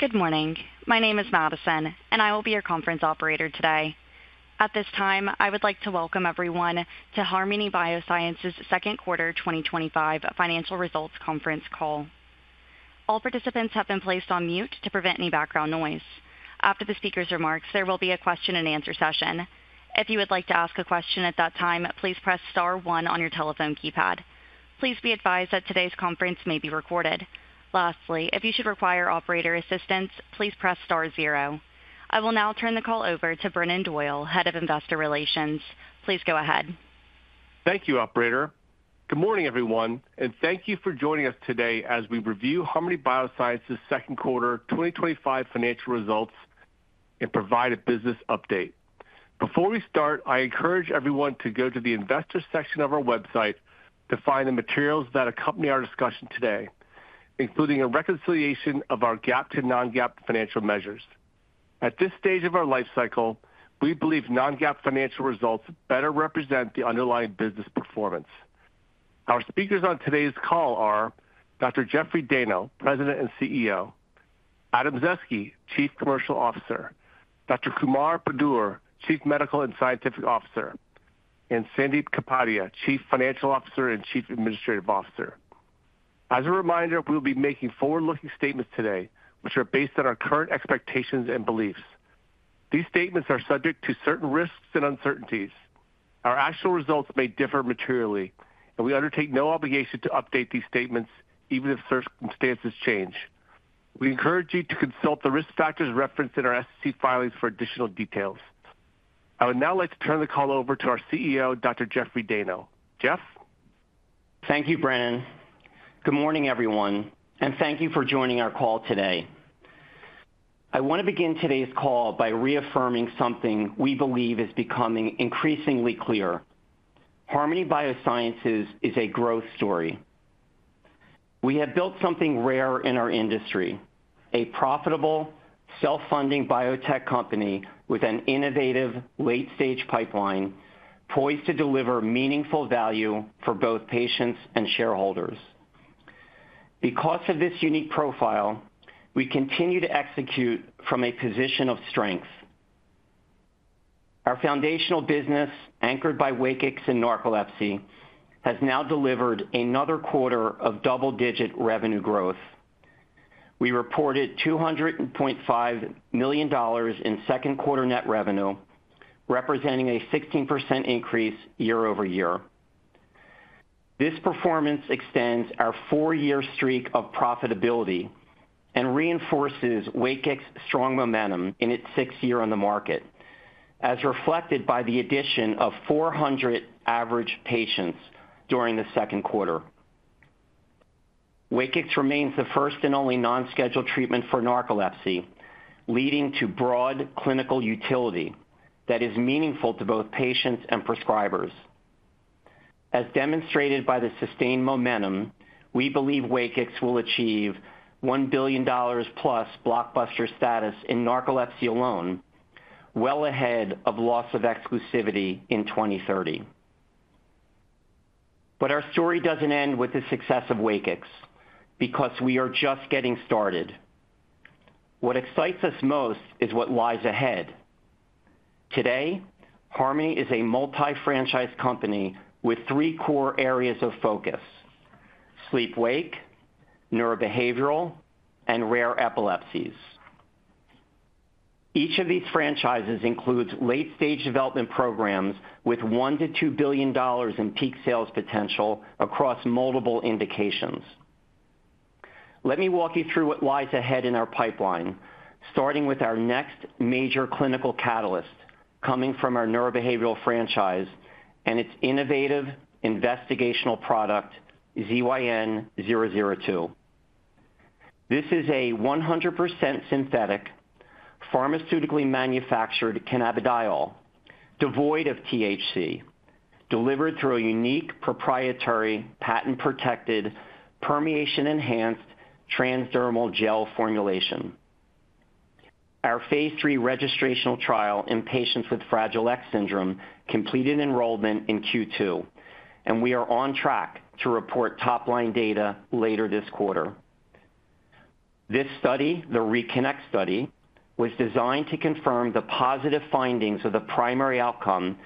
Good morning. My name is Madison, and I will be your conference operator today. At this time, I would like to welcome everyone to Harmony Biosciences' Second Quarter 2025 Financial Results Conference Call. All participants have been placed on mute to prevent any background noise. After the speaker's remarks, there will be a question-and-answer session. If you would like to ask a question at that time, please press star one on your telephone keypad. Please be advised that today's conference may be recorded. Lastly, if you should require operator assistance, please press star zero. I will now turn the call over to Brennan Doyle, Head of Investor Relations. Please go ahead. Thank you, operator. Good morning, everyone, and thank you for joining us today as we review Harmony Biosciences' Second Quarter 2025 Financial Results and provide a business update. Before we start, I encourage everyone to go to the investor section of our website to find the materials that accompany our discussion today, including a reconciliation of our GAAP to non-GAAP financial measures. At this stage of our lifecycle, we believe non-GAAP financial results better represent the underlying business performance. Our speakers on today's call are Dr. Jeffrey Dayno, President and CEO, Adam Zaeske, Chief Commercial Officer, Dr. Kumar Budur, Chief Medical and Scientific Officer, and Sandip Kapadia, Chief Financial Officer and Chief Administrative Officer. As a reminder, we will be making forward-looking statements today, which are based on our current expectations and beliefs. These statements are subject to certain risks and uncertainties. Our actual results may differ materially, and we undertake no obligation to update these statements, even if circumstances change. We encourage you to consult the risk factors referenced in our SEC filings for additional details. I would now like to turn the call over to our CEO, Dr. Jeffrey Dayno. Jeff? Thank you, Brennan. Good morning, everyone, and thank you for joining our call today. I want to begin today's call by reaffirming something we believe is becoming increasingly clear: Harmony Biosciences is a growth story. We have built something rare in our industry: a profitable, self-funding biotech company with an innovative, late-stage pipeline poised to deliver meaningful value for both patients and shareholders. Because of this unique profile, we continue to execute from a position of strength. Our foundational business, anchored by WAKIX and narcolepsy, has now delivered another quarter of double-digit revenue growth. We reported $202.5 million in second quarter net revenue, representing a 16% increase year-over-year. This performance extends our four-year streak of profitability and reinforces WAKIX's strong momentum in its sixth year on the market, as reflected by the addition of 400 average patients during the second quarter. WAKIX remains the first and only non-scheduled treatment for narcolepsy, leading to broad clinical utility that is meaningful to both patients and prescribers. As demonstrated by the sustained momentum, we believe WAKIX will achieve $1 billion plus blockbuster status in narcolepsy alone, well ahead of loss of exclusivity in 2030. Our story doesn't end with the success of WAKIX, because we are just getting started. What excites us most is what lies ahead. Today, Harmony is a multi-franchise company with three core areas of focus: sleep/wake, neurobehavioral, and rare epilepsies. Each of these franchises includes late-stage development programs with $1 to $2 billion in peak sales potential across multiple indications. Let me walk you through what lies ahead in our pipeline, starting with our next major clinical catalyst coming from our neurobehavioral franchise and its innovative investigational product, ZYN-002. This is a 100% synthetic, pharmaceutically manufactured cannabidiol, devoid of THC, delivered through a unique, proprietary, patent-protected, permeation-enhanced transdermal gel formulation. Our phase III registrational trial in patients with Fragile X syndrome completed enrollment in Q2, and we are on track to report top-line data later this quarter. This study, the RE-CONNECT study, was designed to confirm the positive findings of the primary outcome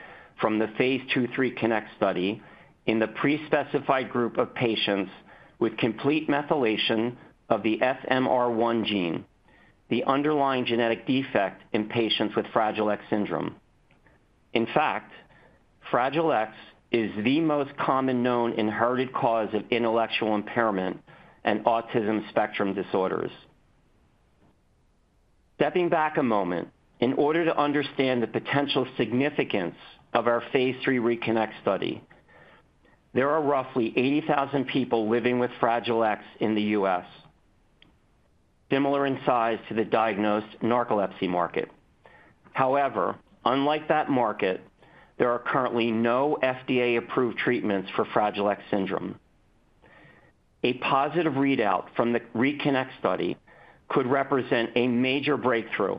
from the phase II/III CONNECT study in the pre-specified group of patients with complete methylation of the FMR1 gene, the underlying genetic defect in patients with Fragile X syndrome. In fact, Fragile X is the most common known inherited cause of intellectual impairment and autism spectrum disorders. Stepping back a moment, in order to understand the potential significance of our phase III RE-CONNECT study, there are roughly 80,000 people living with Fragile X in the U.S., similar in size to the diagnosed narcolepsy market. However, unlike that market, there are currently no FDA-approved treatments for Fragile X syndrome. A positive readout from the RE-CONNECT study could represent a major breakthrough,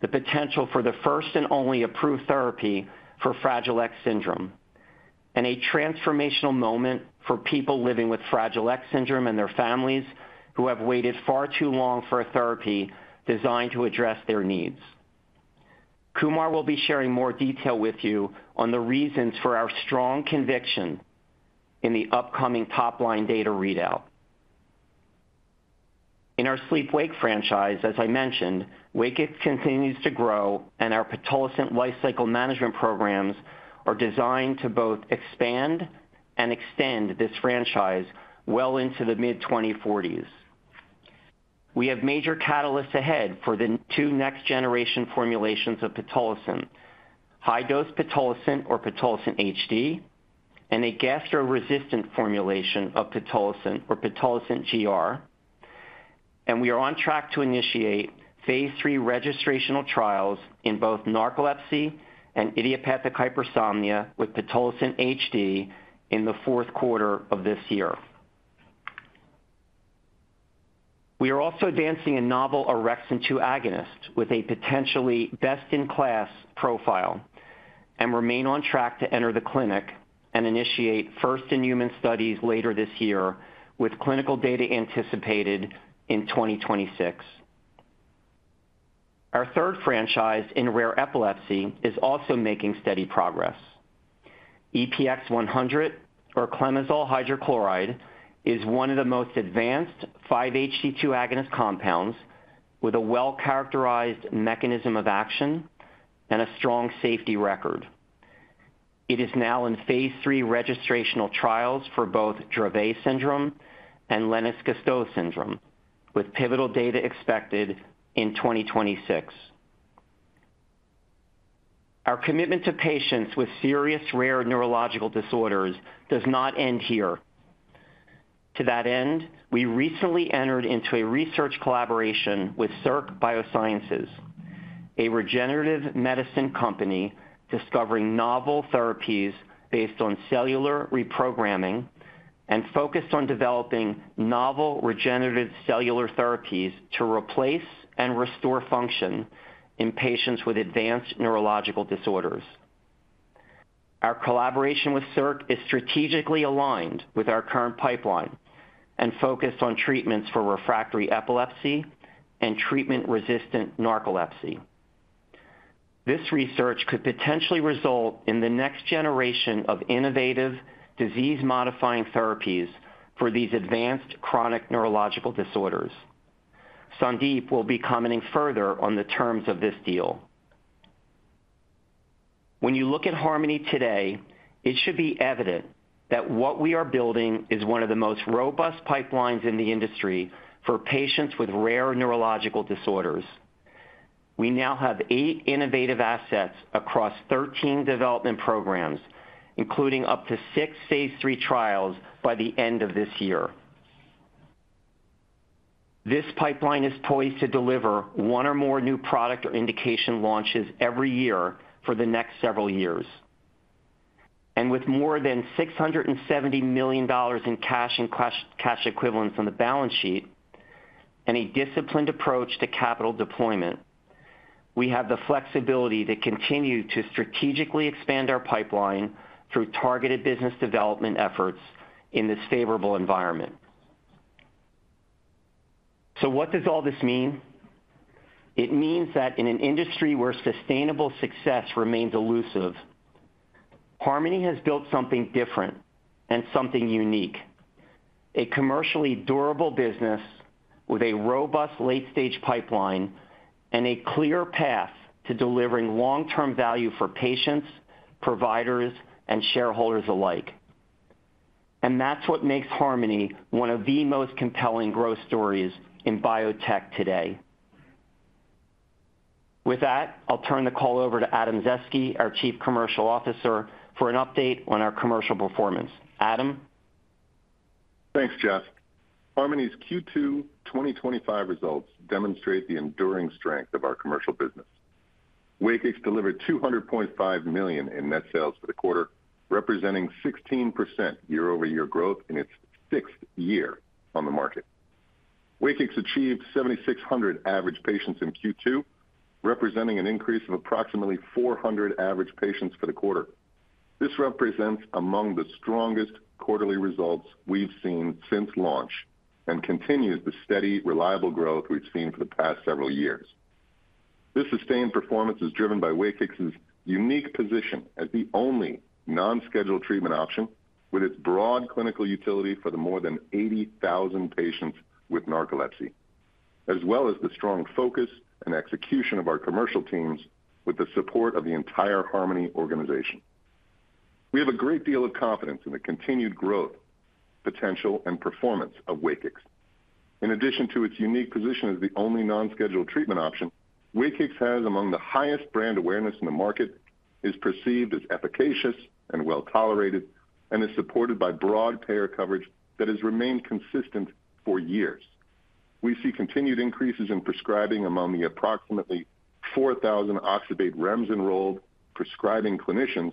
the potential for the first and only approved therapy for Fragile X syndrome, and a transformational moment for people living with Fragile X syndrome and their families who have waited far too long for a therapy designed to address their needs. Kumar will be sharing more detail with you on the reasons for our strong conviction in the upcoming top-line data readout. In our sleep/wake franchise, as I mentioned, WAKIX continues to grow, and our pitolacin lifecycle management programs are designed to both expand and extend this franchise well into the mid-2040s. We have major catalysts ahead for the two next-generation formulations of pitolacin: high-dose pitolacin or pitolacin HD and a gastro-resistant formulation of pitolacin or pitolacin GR, and we are on track to initiate phase III registrational trials in both narcolepsy and idiopathic hypersomnia with pitolacin HD in the fourth quarter of this year. We are also advancing a novel orexin-2 receptor agonist with a potentially best-in-class profile and remain on track to enter the clinic and initiate first-in-human studies later this year, with clinical data anticipated in 2026. Our third franchise in rare epilepsy is also making steady progress. EPX-100 or clemenzol hydrochloride is one of the most advanced 5HC2 agonist compounds with a well-characterized mechanism of action and a strong safety record. It is now in phase III registrational trials for both Dravet syndrome and Lennox-Gastaut syndrome, with pivotal data expected in 2026. Our commitment to patients with serious rare neurological disorders does not end here. To that end, we recently entered into a research collaboration with CiRC Biosciences, a regenerative medicine company discovering novel therapies based on cellular reprogramming and focused on developing novel regenerative cellular therapies to replace and restore function in patients with advanced neurological disorders. Our collaboration with CiRC is strategically aligned with our current pipeline and focused on treatments for refractory epilepsy and treatment-resistant narcolepsy. This research could potentially result in the next generation of innovative disease-modifying therapies for these advanced chronic neurological disorders. Sandip will be commenting further on the terms of this deal. When you look at Harmony Biosciences today, it should be evident that what we are building is one of the most robust pipelines in the industry for patients with rare neurological disorders. We now have eight innovative assets across 13 development programs, including up to six phase III trials by the end of this year. This pipeline is poised to deliver one or more new product or indication launches every year for the next several years. With more than $670 million in cash and cash equivalents on the balance sheet and a disciplined approach to capital deployment, we have the flexibility to continue to strategically expand our pipeline through targeted business development efforts in this favorable environment. What does all this mean? It means that in an industry where sustainable success remains elusive, Harmony Biosciences has built something different and something unique: a commercially durable business with a robust late-stage pipeline and a clear path to delivering long-term value for patients, providers, and shareholders alike. That is what makes Harmony one of the most compelling growth stories in biotech today. With that, I'll turn the call over to Adam Zaeske, our Chief Commercial Officer, for an update on our commercial performance. Adam? Thanks, Jeff. Harmony's Q2 2025 results demonstrate the enduring strength of our commercial business. WAKIX delivered $202.5 million in net sales for the quarter, representing 16% year-over-year growth in its sixth year on the market. WAKIX achieved 7,600 average patients in Q2, representing an increase of approximately 400 average patients for the quarter. This represents among the strongest quarterly results we've seen since launch and continues the steady, reliable growth we've seen for the past several years. This sustained performance is driven by WAKIX's unique position as the only non-scheduled treatment option, with its broad clinical utility for the more than 80,000 patients with narcolepsy, as well as the strong focus and execution of our commercial teams with the support of the entire Harmony organization. We have a great deal of confidence in the continued growth, potential, and performance of WAKIX. In addition to its unique position as the only non-scheduled treatment option, WAKIX has among the highest brand awareness in the market, is perceived as efficacious and well-tolerated, and is supported by broad payer coverage that has remained consistent for years. We see continued increases in prescribing among the approximately 4,000 oxybutynin REMS-enrolled prescribing clinicians,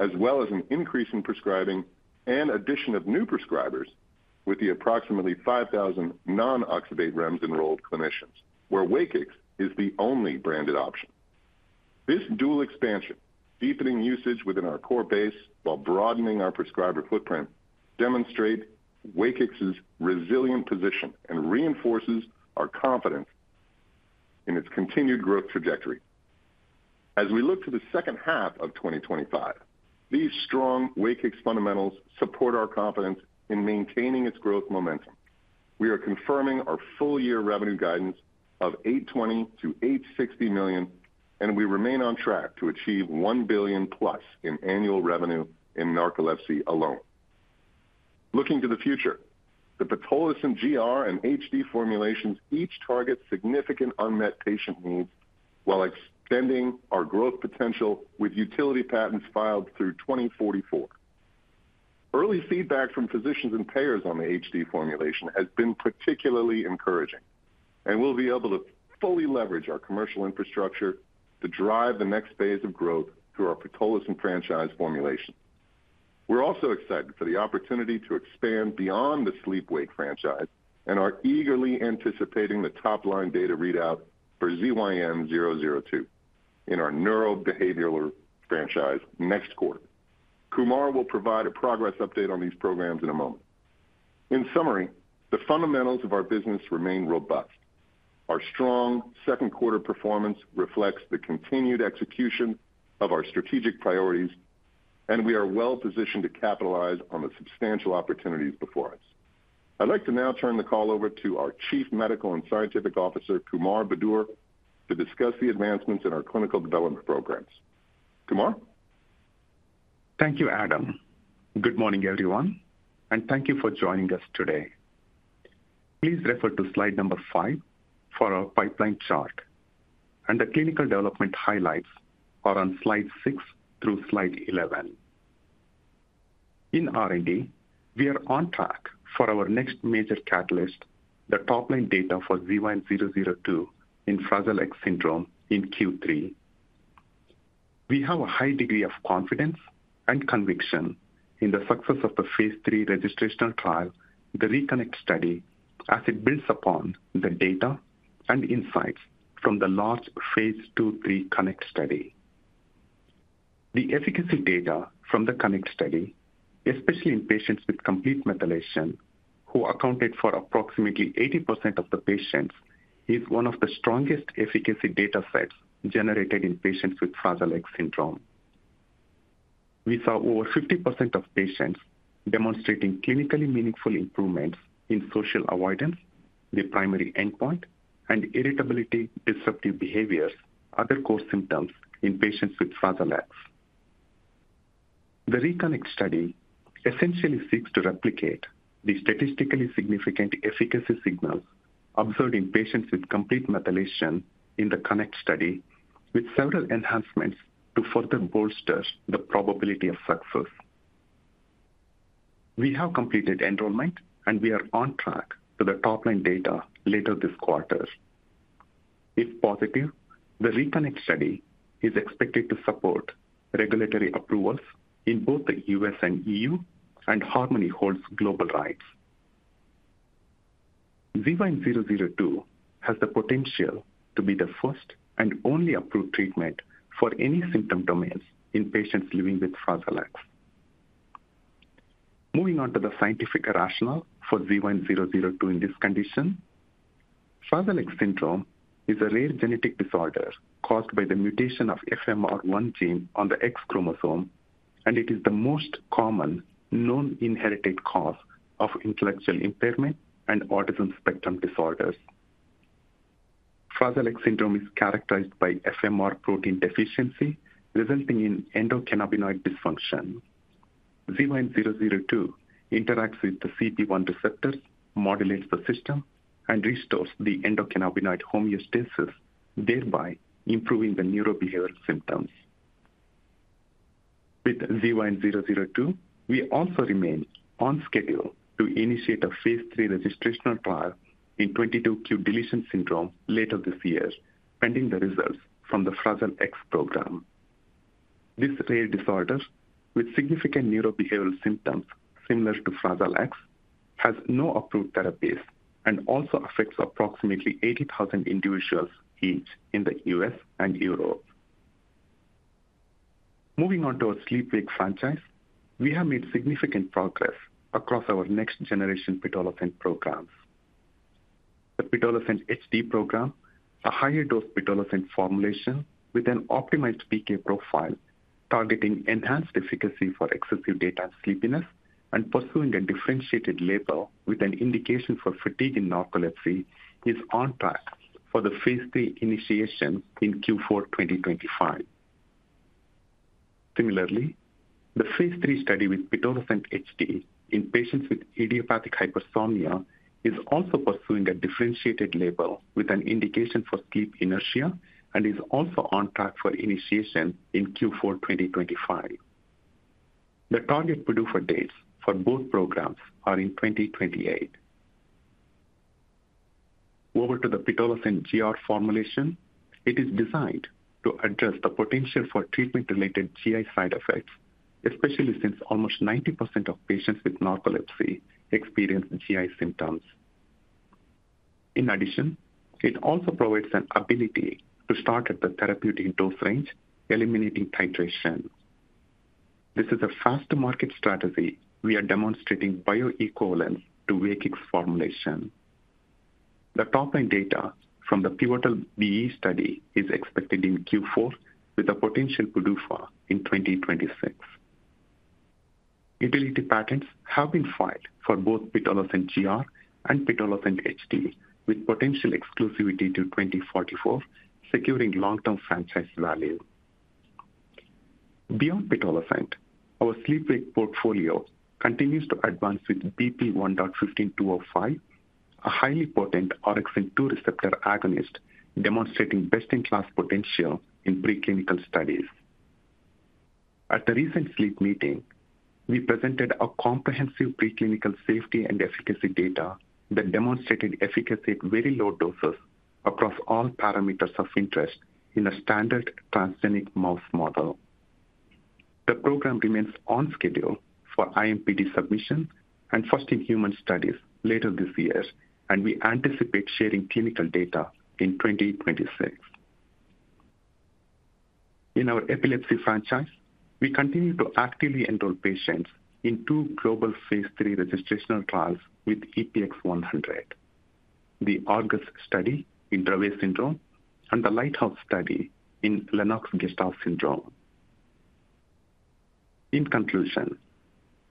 as well as an increase in prescribing and addition of new prescribers with the approximately 5,000 non-oxybutynin REMS-enrolled clinicians, where WAKIX is the only branded option. This dual expansion, deepening usage within our core base while broadening our prescriber footprint, demonstrates WAKIX's resilient position and reinforces our confidence in its continued growth trajectory. As we look to the second half of 2025, these strong WAKIX fundamentals support our confidence in maintaining its growth momentum. We are confirming our full-year revenue guidance of $820 million-$860 million, and we remain on track to achieve $1 billion plus in annual revenue in narcolepsy alone. Looking to the future, the pitolacin GR and HD formulations each target significant unmet patient needs while extending our growth potential with utility patents filed through 2044. Early feedback from physicians and payers on the HD formulation has been particularly encouraging, and we'll be able to fully leverage our commercial infrastructure to drive the next phase of growth through our pitolacin franchise formulation. We're also excited for the opportunity to expand beyond the sleep/wake franchise and are eagerly anticipating the top-line data readout for ZYN-002 in our neurobehavioral franchise next quarter. Kumar will provide a progress update on these programs in a moment. In summary, the fundamentals of our business remain robust. Our strong second-quarter performance reflects the continued execution of our strategic priorities, and we are well-positioned to capitalize on the substantial opportunities before us. I'd like to now turn the call over to our Chief Medical and Scientific Officer, Kumar Budur, to discuss the advancements in our clinical development programs. Kumar? Thank you, Adam. Good morning, everyone, and thank you for joining us today. Please refer to slide number five for our pipeline chart, and the clinical development highlights are on slides six through slide 11. In R&D, we are on track for our next major catalyst, the top-line data for ZYN-002 in Fragile X syndrome in Q3. We have a high degree of confidence and conviction in the success of the phase III registrational trial, the RE-CONNECT study, as it builds upon the data and insights from the large phase II/III CONNECT study. The efficacy data from the CONNECT study, especially in patients with complete methylation, who accounted for approximately 80% of the patients, is one of the strongest efficacy data sets generated in patients with Fragile X syndrome. We saw over 50% of patients demonstrating clinically meaningful improvements in social avoidance, the primary endpoint, and irritability, disruptive behaviors, other core symptoms in patients with Fragile X. The RE-CONNECT study essentially seeks to replicate the statistically significant efficacy signals observed in patients with complete methylation in the CONNECT study, with several enhancements to further bolster the probability of success. We have completed enrollment, and we are on track for the top-line data later this quarter. If positive, the RE-CONNECT study is expected to support regulatory approvals in both the U.S. and EU, and Harmony holds global rights. ZYN-002 has the potential to be the first and only approved treatment for any symptom domains in patients living with Fragile X. Moving on to the scientific rationale for ZYN-002 in this condition, Fragile X syndrome is a rare genetic disorder caused by the mutation of the FMR1 gene on the X chromosome, and it is the most common known inherited cause of intellectual impairment and autism spectrum disorders. Fragile X syndrome is characterized by FMR protein deficiency resulting in endocannabinoid dysfunction. ZYN-002 interacts with the CB1 receptors, modulates the system, and restores the endocannabinoid homeostasis, thereby improving the neurobehavioral symptoms. With ZYN-002, we also remain on schedule to initiate a phase III registrational trial in 22q deletion syndrome later this year, pending the results from the Fragile X program. This rare disorder, with significant neurobehavioral symptoms similar to Fragile X, has no approved therapies and also affects approximately 80,000 individuals each in the U.S. and Europe. Moving on to our sleep/wake franchise, we have made significant progress across our next-generation pitolacin programs. The pitolacin HD program, a higher dose pitolacin formulation with an optimized PK profile targeting enhanced efficacy for excessive daytime sleepiness and pursuing a differentiated label with an indication for fatigue in narcolepsy, is on track for the phase III initiation in Q4 2025. Similarly, the phase III study with pitolacin HD in patients with idiopathic hypersomnia is also pursuing a differentiated label with an indication for sleep inertia and is also on track for initiation in Q4 2025. The target PDUFA dates for both programs are in 2028. Over to the pitolacin GR formulation, it is designed to address the potential for treatment-related GI side effects, especially since almost 90% of patients with narcolepsy experience GI symptoms. In addition, it also provides an ability to start at the therapeutic dose range, eliminating titration. This is a fast-to-market strategy. We are demonstrating bioequivalence to WAKIX formulation. The top-line data from the pivotal BE study is expected in Q4 with a potential PDUFA in 2026. Utility patents have been filed for both pitolacin GR and pitolacin HD, with potential exclusivity to 2044, securing long-term franchise value. Beyond pitolacin, our sleep/wake portfolio continues to advance with BP1.15205, a highly potent orexin-2 receptor agonist demonstrating best-in-class potential in preclinical studies. At the recent sleep meeting, we presented comprehensive preclinical safety and efficacy data that demonstrated efficacy at very low doses across all parameters of interest in a standard transgenic mouse model. The program remains on schedule for IMPD submission and first-in-human studies later this year, and we anticipate sharing clinical data in 2026. In our epilepsy franchise, we continue to actively enroll patients in two global phase III registrational trials with EPX-100: the Argus study in Dravet syndrome and the Lighthouse study in Lennox-Gastaut syndrome. In conclusion,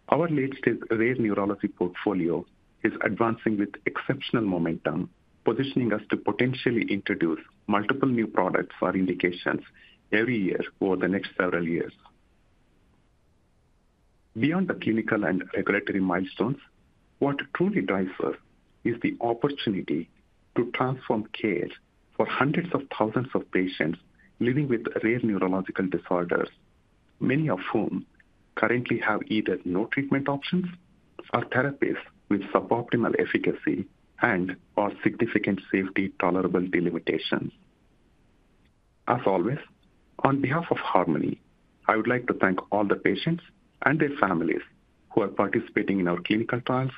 our late-stage rare neurology portfolio is advancing with exceptional momentum, positioning us to potentially introduce multiple new products or indications every year over the next several years. Beyond the clinical and regulatory milestones, what truly drives us is the opportunity to transform care for hundreds of thousands of patients living with rare neurological disorders, many of whom currently have either no treatment options or therapies with suboptimal efficacy and/or significant safety tolerability limitations. As always, on behalf of Harmony, I would like to thank all the patients and their families who are participating in our clinical trials,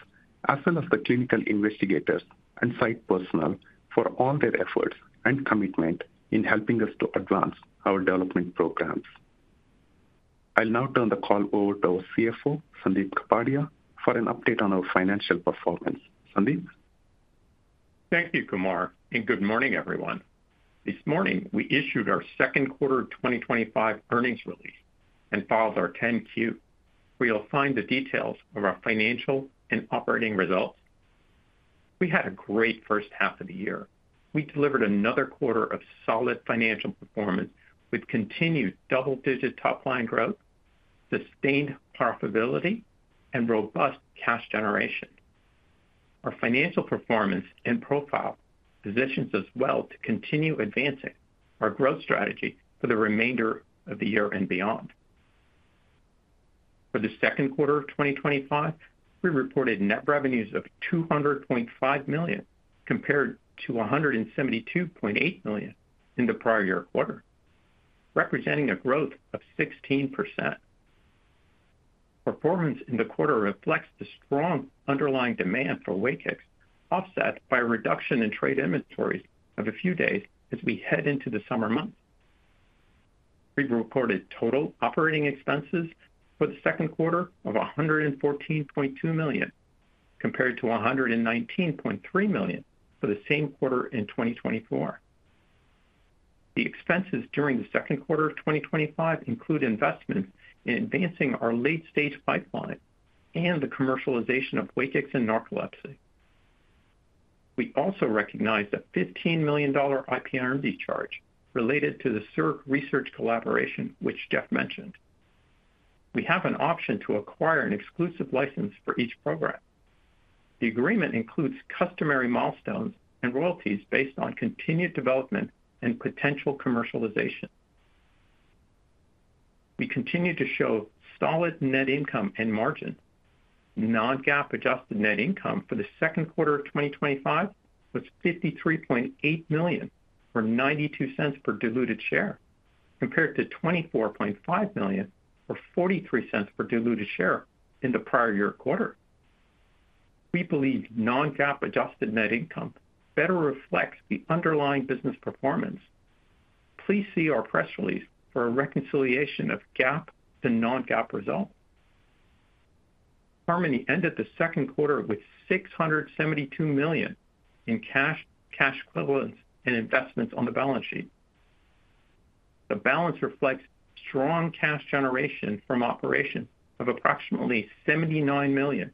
as well as the clinical investigators and site personnel, for all their efforts and commitment in helping us to advance our development programs. I'll now turn the call over to our CFO, Sandip Kapadia, for an update on our financial performance. Sandip? Thank you, Kumar, and good morning, everyone. This morning, we issued our Second Quarter 2025 Earnings Release and filed our 10-Q. You'll find the details of our financial and operating results. We had a great first half of the year. We delivered another quarter of solid financial performance with continued double-digit top-line growth, sustained profitability, and robust cash generation. Our financial performance and profile positions us well to continue advancing our growth strategy for the remainder of the year and beyond. For the second quarter of 2025, we reported net revenues of $202.5 million compared to $172.8 million in the prior year quarter, representing a growth of 16%. Performance in the quarter reflects the strong underlying demand for WAKIX, offset by a reduction in trade inventories of a few days as we head into the summer months. We reported total operating expenses for the second quarter of $114.2 million compared to $119.3 million for the same quarter in 2024. The expenses during the second quarter of 2025 include investments in advancing our late-stage pipeline and the commercialization of WAKIX in narcolepsy. We also recognized the $15 million IP R&D charge related to the CiRC Biosciences research collaboration which Jeff mentioned. We have an option to acquire an exclusive license for each program. The agreement includes customary milestones and royalties based on continued development and potential commercialization. We continue to show solid net income and margins. Non-GAAP adjusted net income for the second quarter of 2025 was $53.8 million or $0.92 per diluted share, compared to $24.5 million or $0.43 per diluted share in the prior year quarter. We believe non-GAAP adjusted net income better reflects the underlying business performance. Please see our press release for a reconciliation of GAAP and non-GAAP results. Harmony ended the second quarter with $672 million in cash equivalents and investments on the balance sheet. The balance reflects strong cash generation from operations of approximately $79 million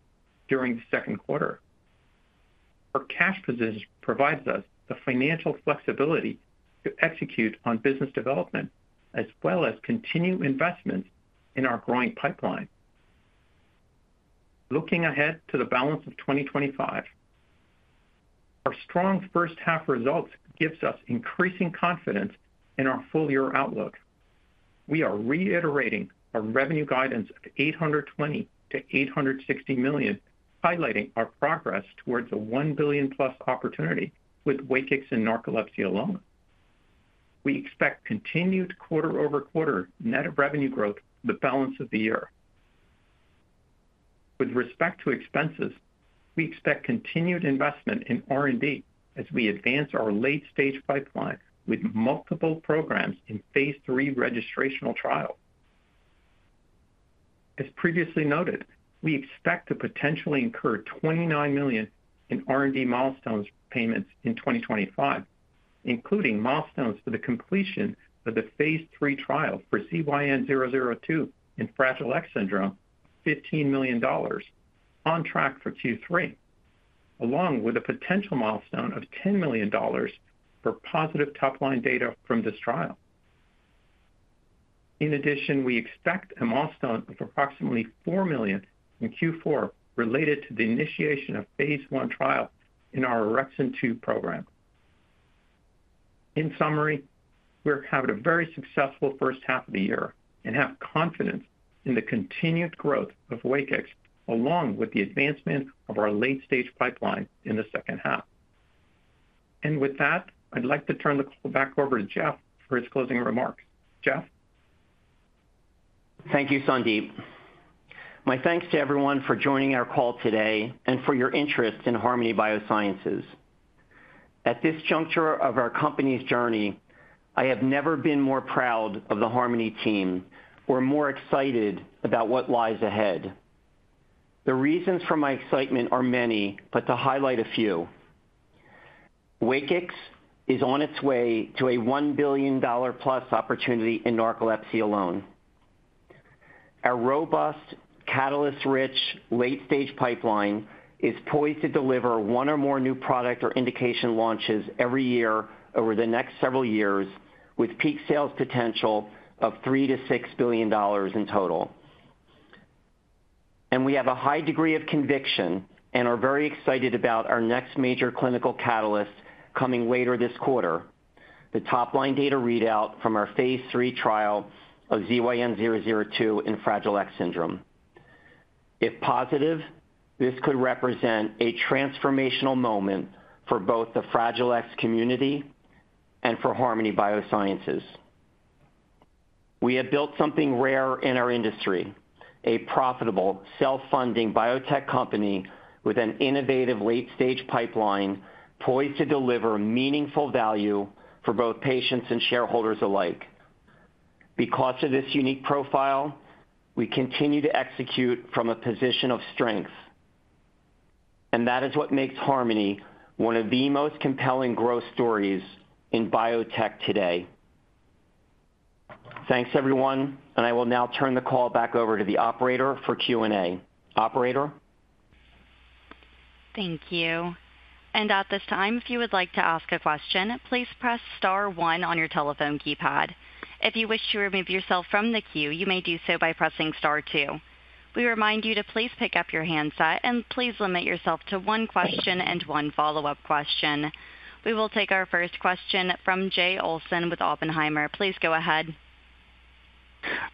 during the second quarter. Our cash position provides us the financial flexibility to execute on business development as well as continue investments in our growing pipeline. Looking ahead to the balance of 2025, our strong first half results give us increasing confidence in our full-year outlook. We are reiterating our revenue guidance of $820 million-$860 million, highlighting our progress towards a $1 billion+ opportunity with WAKIX in narcolepsy alone. We expect continued quarter-over-quarter net revenue growth for the balance of the year. With respect to expenses, we expect continued investment in R&D as we advance our late-stage pipeline with multiple programs in phase III registrational trials. As previously noted, we expect to potentially incur $29 million in R&D milestone payments in 2025, including milestones for the completion of the phase III trial for ZYN-002 in Fragile X syndrome, $15 million, on track for Q3, along with a potential milestone of $10 million for positive top-line data from this trial. In addition, we expect a milestone of approximately $4 million in Q4 related to the initiation of a phase I trial in our Orexin-2 program. In summary, we're having a very successful first half of the year and have confidence in the continued growth of WAKIX along with the advancement of our late-stage pipeline in the second half. I'd like to turn the call back over to Jeff for his closing remarks. Jeff? Thank you, Sandip. My thanks to everyone for joining our call today and for your interest in Harmony Biosciences. At this juncture of our company's journey, I have never been more proud of the Harmony team or more excited about what lies ahead. The reasons for my excitement are many, to highlight a few: WAKIX is on its way to a $1 billion+ opportunity in narcolepsy alone. Our robust, catalyst-rich late-stage pipeline is poised to deliver one or more new product or indication launches every year over the next several years, with peak sales potential of $3 billion-$6 billion in total. We have a high degree of conviction and are very excited about our next major clinical catalyst coming later this quarter: the top-line data readout from our phase III trial of ZYN-002 in Fragile X syndrome. If positive, this could represent a transformational moment for both the Fragile X community and for Harmony Biosciences. We have built something rare in our industry: a profitable, self-funding biotech company with an innovative late-stage pipeline poised to deliver meaningful value for both patients and shareholders alike. Because of this unique profile, we continue to execute from a position of strength. That is what makes Harmony one of the most compelling growth stories in biotech today. Thanks, everyone, I will now turn the call back over to the operator for Q&A. Operator? Thank you. At this time, if you would like to ask a question, please press star one on your telephone keypad. If you wish to remove yourself from the queue, you may do so by pressing star two. We remind you to please pick up your handset and please limit yourself to one question and one follow-up question. We will take our first question from Jay Olson with Oppenheimer. Please go ahead.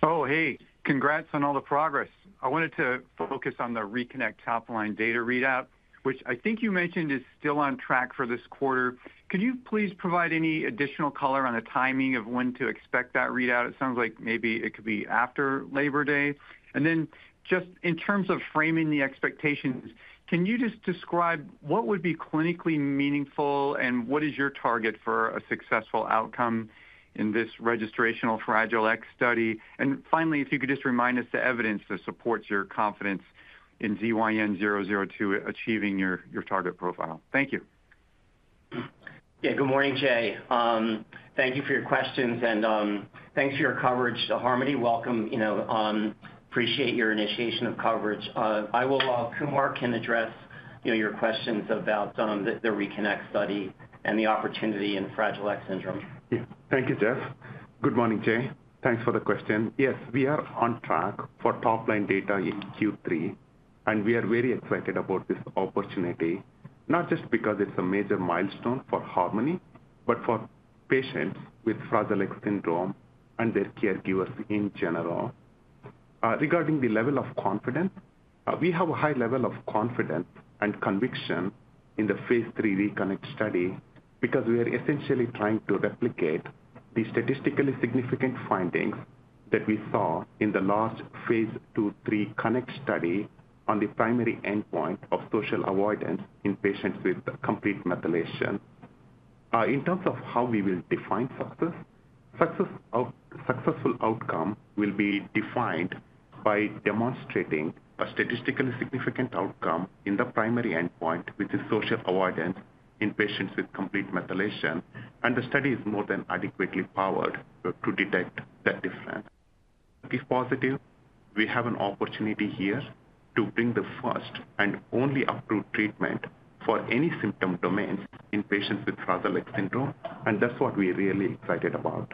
Oh, hey, congrats on all the progress. I wanted to focus on the RE-CONNECT top-line data readout, which I think you mentioned is still on track for this quarter. Could you please provide any additional color on the timing of when to expect that readout? It sounds like maybe it could be after Labor Day. In terms of framing the expectations, can you just describe what would be clinically meaningful and what is your target for a successful outcome in this registrational Fragile X syndrome study? Finally, if you could just remind us the evidence that supports your confidence in ZYN-002 achieving your target profile. Thank you. Yeah, good morning, Jay. Thank you for your questions and thanks for your coverage of Harmony. Welcome. Appreciate your initiation of coverage. I will allow Dr. Kumar Budur to address your questions about the RE-CONNECT study and the opportunity in Fragile X syndrome. Thank you, Jeff. Good morning, Jay. Thanks for the question. Yes, we are on track for top-line data in Q3, and we are very excited about this opportunity, not just because it's a major milestone for Harmony, but for patients with Fragile X syndrome and their caregivers in general. Regarding the level of confidence, we have a high level of confidence and conviction in the phase III RE-CONNECT study because we are essentially trying to replicate the statistically significant findings that we saw in the large phase II/III CONNECT study on the primary endpoint of social avoidance in patients with complete methylation. In terms of how we will define success, a successful outcome will be defined by demonstrating a statistically significant outcome in the primary endpoint, which is social avoidance in patients with complete methylation, and the study is more than adequately powered to detect that difference. If positive, we have an opportunity here to bring the first and only approved treatment for any symptom domains in patients with Fragile X syndrome, and that's what we are really excited about.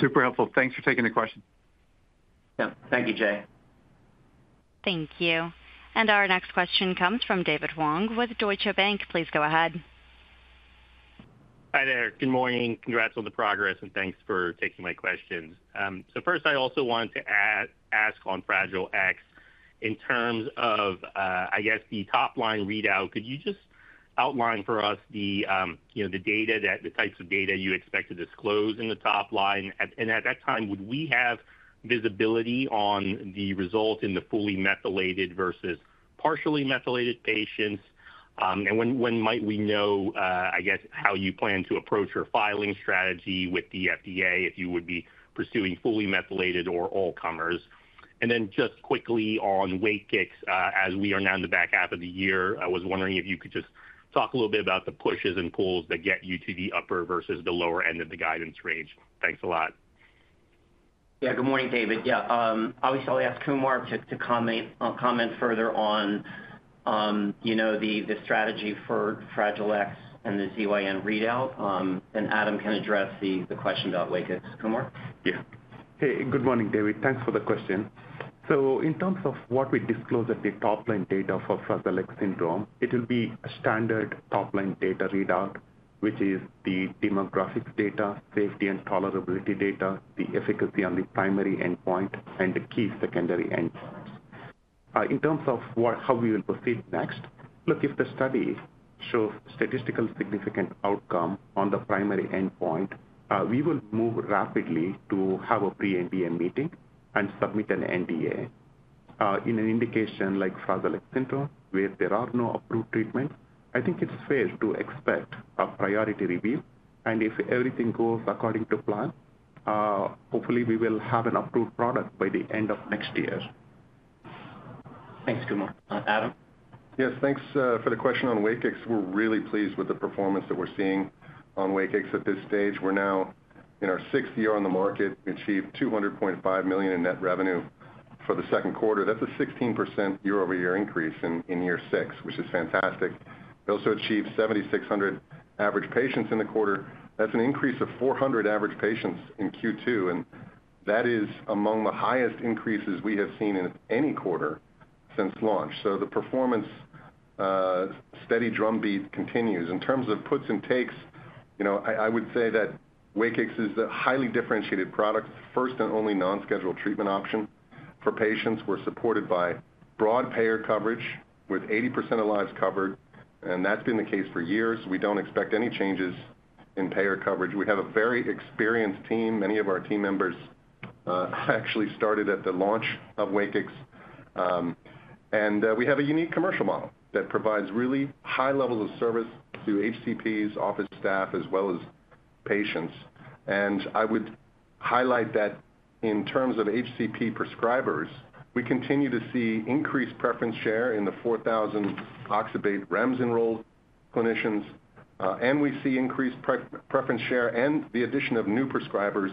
Super helpful. Thanks for taking the question. Yeah, thank you, Jay. Thank you. Our next question comes from David Huang with Deutsche Bank. Please go ahead. Hi there. Good morning. Congrats on the progress and thanks for taking my question. First, I also wanted to ask on Fragile X in terms of, I guess, the top-line readout. Could you just outline for us the data, the types of data you expect to disclose in the top line? At that time, would we have visibility on the results in the fully methylated versus partially methylated patients? When might we know, I guess, how you plan to approach your filing strategy with the FDA if you would be pursuing fully methylated or all-comers? Just quickly on WAKIX, as we are now in the back half of the year, I was wondering if you could just talk a little bit about the pushes and pulls that get you to the upper versus the lower end of the guidance range. Thanks a lot. Good morning, David. I'll ask Dr. Kumar Budur to comment further on the strategy for Fragile X syndrome and the ZYN-002 readout, and Adam Zaeske can address the question about WAKIX. Kumar? Yeah. Hey, good morning, David. Thanks for the question. In terms of what we disclose at the top-line data for Fragile X syndrome, it will be a standard top-line data readout, which is the demographics data, safety and tolerability data, the efficacy on the primary endpoint, and the key secondary endpoints. In terms of how we will proceed next, if the study shows a statistically significant outcome on the primary endpoint, we will move rapidly to have a pre-NDA meeting and submit an NDA. In an indication like Fragile X syndrome, where there are no approved treatments, I think it's fair to expect a priority review. If everything goes according to plan, hopefully, we will have an approved product by the end of next year. Thanks, Kumar. Adam? Yes, thanks for the question on WAKIX. We're really pleased with the performance that we're seeing on WAKIX at this stage. We're now in our sixth year on the market. We achieved $200.5 million in net revenue for the second quarter. That's a 16% year-over-year increase in year six, which is fantastic. We also achieved 7,600 average patients in the quarter. That's an increase of 400 average patients in Q2, and that is among the highest increases we have seen in any quarter since launch. The performance steady drumbeat continues. In terms of puts and takes, I would say that WAKIX is the highly differentiated product, the first and only non-scheduled treatment option for patients. We're supported by broad payer coverage with 80% of lives covered, and that's been the case for years. We don't expect any changes in payer coverage. We have a very experienced team. Many of our team members actually started at the launch of WAKIX. We have a unique commercial model that provides really high levels of service to HCPs, office staff, as well as patients. I would highlight that in terms of HCP prescribers, we continue to see increased preference share in the 4,000 oxybutynin REMS-enrolled clinicians, and we see increased preference share and the addition of new prescribers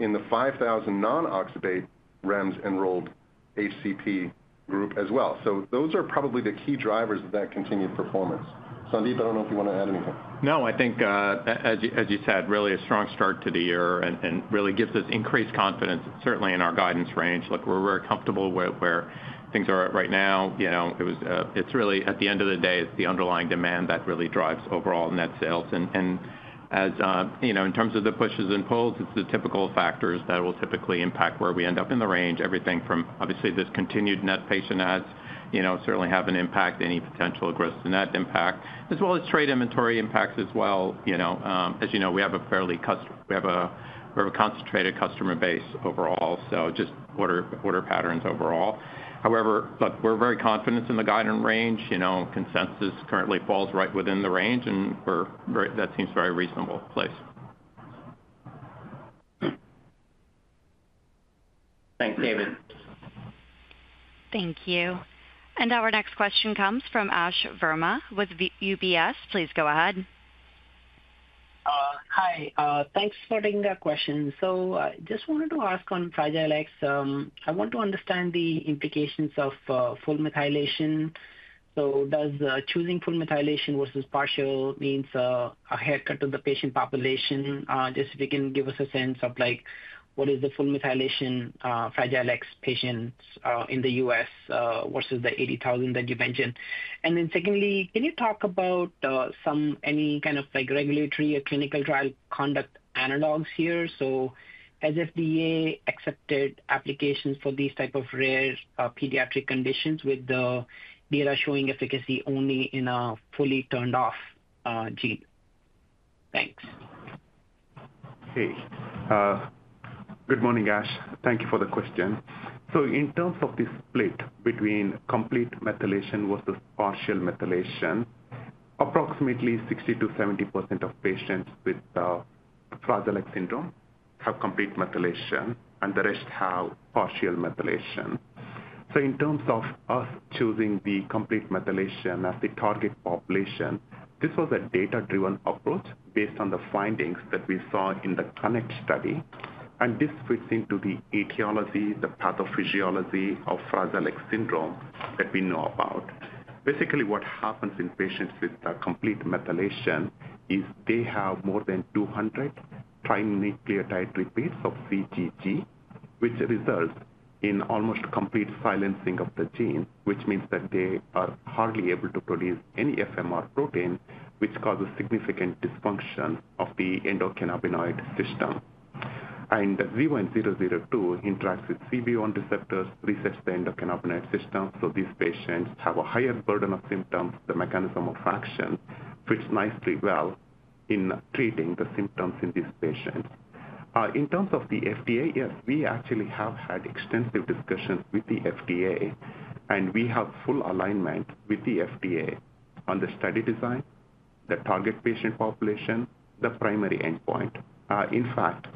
in the 5,000 non-oxybutynin REMS-enrolled HCP group as well. Those are probably the key drivers of that continued performance. Sandip, I don't know if you want to add anything. No, I think, as you said, really a strong start to the year and really gives us increased confidence, certainly in our guidance range. Look, we're very comfortable with where things are right now. It's really, at the end of the day, it's the underlying demand that really drives overall net sales. In terms of the pushes and pulls, it's the typical factors that will typically impact where we end up in the range, everything from, obviously, this continued net patient adds, certainly have an impact, any potential gross net impact, as well as trade inventory impacts as well. As you know, we have a fairly concentrated customer base overall, so just order patterns overall. However, look, we're very confident in the guidance range. Consensus currently falls right within the range, and that seems a very reasonable place. Thanks, David. Thank you. Our next question comes from Ashwani Verma with UBS. Please go ahead. Hi, thanks for the question. I just wanted to ask on Fragile X. I want to understand the implications of full methylation. Does choosing full methylation versus partial mean a haircut to the patient population? If you can give us a sense of what is the full methylation Fragile X patients in the U.S. versus the 80,000 that you mentioned. Secondly, can you talk about any kind of regulatory or clinical trial conduct analogs here? Has FDA accepted applications for these types of rare pediatric conditions with the data showing efficacy only in a fully turned-off gene? Thanks. Hey, good morning, Ash. Thank you for the question. In terms of this split between complete methylation versus partial methylation, approximately 60%-70% of patients with Fragile X syndrome have complete methylation, and the rest have partial methylation. In terms of us choosing the complete methylation as the target population, this was a data-driven approach based on the findings that we saw in the CONNECT study, and this fits into the etiology, the pathophysiology of Fragile X syndrome that we know about. Basically, what happens in patients with complete methylation is they have more than 200 primucleotide repeats of CTG, which results in almost complete silencing of the gene, which means that they are hardly able to produce any FMR protein, which causes significant dysfunction of the endocannabinoid system. ZYN-002 interacts with CB1 receptors, resets the endocannabinoid system. These patients have a higher burden of symptoms. The mechanism of action fits nicely well in treating the symptoms in these patients. In terms of the FDA, yes, we actually have had extensive discussions with the FDA, and we have full alignment with the FDA on the study design, the target patient population, the primary endpoint. In fact,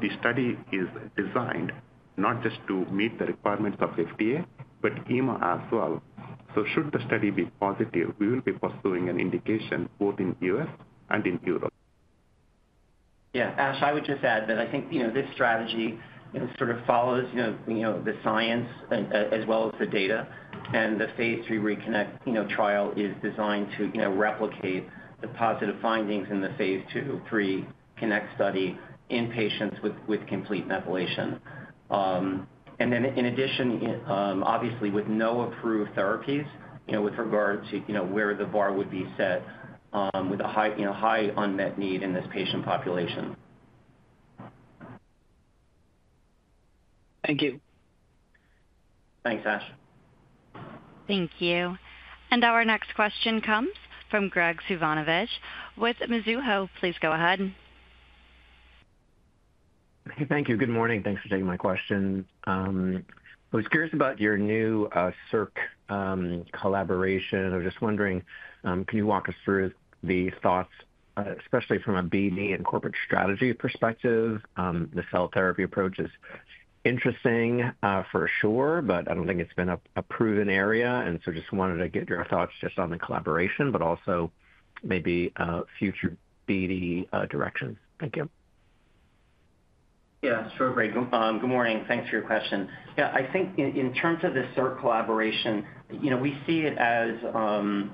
the study is designed not just to meet the requirements of the FDA, but EMA as well. Should the study be positive, we will be pursuing an indication both in the U.S. and in Europe. Yeah, Ash, I would just add that I think this strategy sort of follows the science as well as the data, and the phase III RE-CONNECT trial is designed to replicate the positive findings in the phase II/III CONNECT study in patients with complete methylation. In addition, obviously, with no approved therapies with regards to where the bar would be set with a high unmet need in this patient population. Thank you. Thanks, Ash. Thank you. Our next question comes from Graig Suvannavejh with Mizuho. Please go ahead. Thank you. Good morning. Thanks for taking my question. I was curious about your new CiRC Biosciences collaboration. I'm just wondering, can you walk us through the thoughts, especially from a BD and corporate strategy perspective? The cell therapy approach is interesting for sure, but I don't think it's been a proven area, and just wanted to get your thoughts on the collaboration, but also maybe future BD directions. Thank you. Yeah, sure, Graig. Good morning. Thanks for your question. I think in terms of the CiRC collaboration, we see it as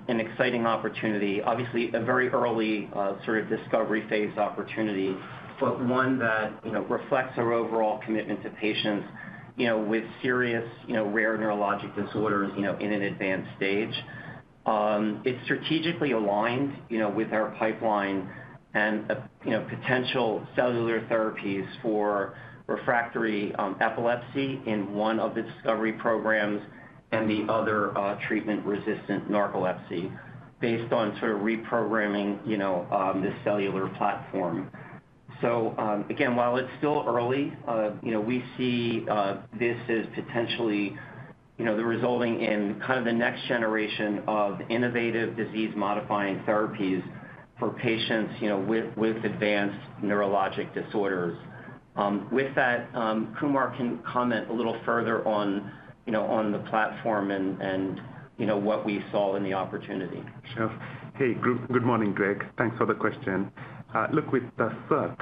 an exciting opportunity, obviously a very early sort of discovery phase opportunity, but one that reflects our overall commitment to patients with serious rare neurologic disorders in an advanced stage. It's strategically aligned with our pipeline and potential cellular therapies for refractory epilepsy in one of the discovery programs and the other treatment-resistant narcolepsy based on sort of reprogramming this cellular platform. While it's still early, we see this as potentially resolving in kind of the next generation of innovative disease-modifying therapies for patients with advanced neurologic disorders. With that, Kumar can comment a little further on the platform and what we saw in the opportunity. Sure. Hey, good morning, Graig. Thanks for the question. Look, with CiRC,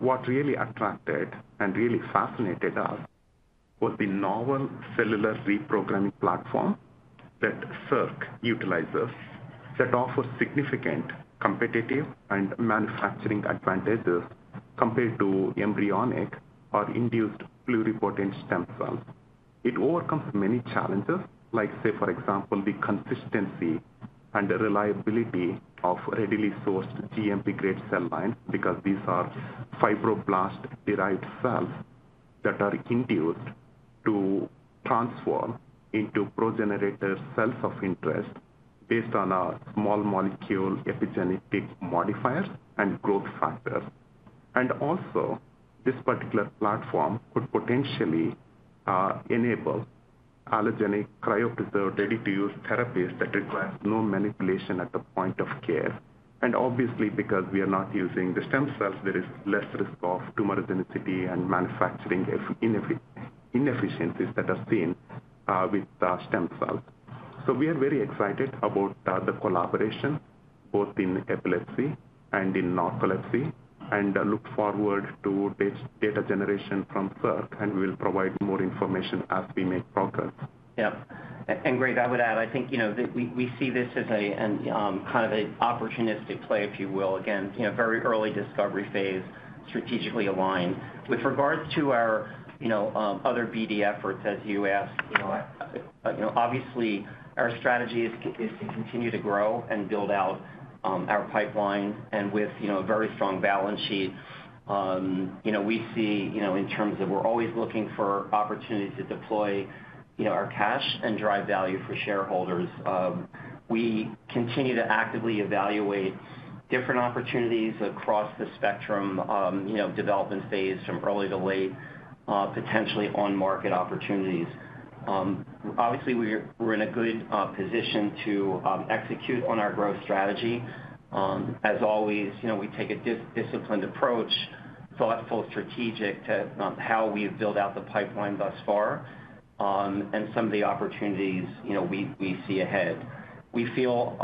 what really attracted and really fascinated us was the novel cellular reprogramming platform that CiRC utilizes that offers significant competitive and manufacturing advantages compared to embryonic or induced pluripotent stem cells. It overcomes many challenges, like, for example, the consistency and the reliability of readily sourced GMP-grade cell lines because these are fibroblast-derived cells that are induced to transform into progenitor cells of interest based on small molecule epigenetic modifiers and growth factors. Also, this particular platform could potentially enable allogeneic cryocrytolytic therapies that require no manipulation at the point of care. Obviously, because we are not using the stem cells, there is less risk of tumorigenicity and manufacturing inefficiencies that are seen with the stem cells. We are very excited about the collaboration both in epilepsy and in narcolepsy, and look forward to data generation from CiRC, and we will provide more information as we make progress. Yep. Greg, I would add, I think we see this as kind of an opportunistic play, if you will. Very early discovery phase, strategically aligned. With regards to our other BD efforts, as you asked, obviously, our strategy is to continue to grow and build out our pipeline, and with a very strong balance sheet, we see in terms of we're always looking for opportunities to deploy our cash and drive value for shareholders. We continue to actively evaluate different opportunities across the spectrum: development phase from early to late, potentially on-market opportunities. Obviously, we're in a good position to execute on our growth strategy. As always, we take a disciplined approach, thoughtful, strategic to how we have built out the pipeline thus far and some of the opportunities we see ahead. We feel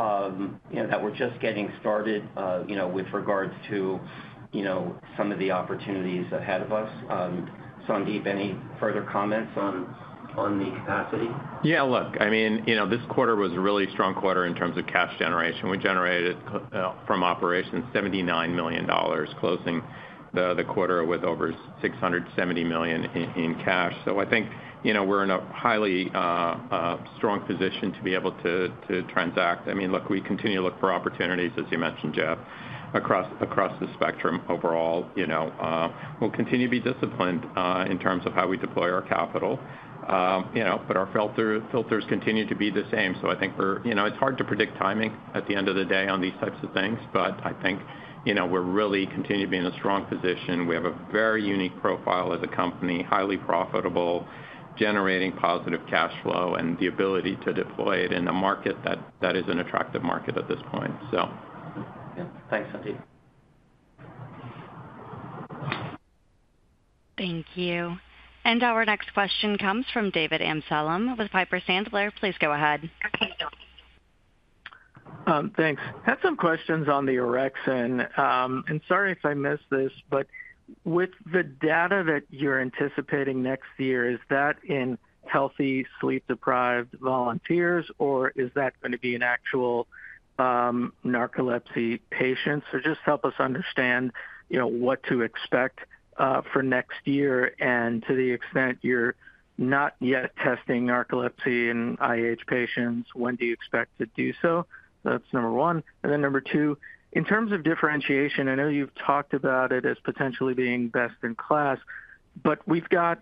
that we're just getting started with regards to some of the opportunities ahead of us. Sandip, any further comments on the capacity? Yeah, look, I mean, this quarter was a really strong quarter in terms of cash generation. We generated from operations $79 million, closing the quarter with over $670 million in cash. I think we're in a highly strong position to be able to transact. We continue to look for opportunities, as you mentioned, Jeff, across the spectrum overall. We'll continue to be disciplined in terms of how we deploy our capital, but our filters continue to be the same. I think it's hard to predict timing at the end of the day on these types of things, but I think we really continue to be in a strong position. We have a very unique profile as a company, highly profitable, generating positive cash flow, and the ability to deploy it in a market that is an attractive market at this point. Yeah, thanks, Sandip. Thank you. Our next question comes from David Amsellem with Piper Sandler. Please go ahead. Thanks. Had some questions on the orexin, and sorry if I missed this, but with the data that you're anticipating next year, is that in healthy, sleep-deprived volunteers, or is that going to be in actual narcolepsy patients? Please help us understand what to expect for next year, and to the extent you're not yet testing narcolepsy in idiopathic hypersomnia patients, when do you expect to do so? That's number one. Number two, in terms of differentiation, I know you've talked about it as potentially being best in class, but we've got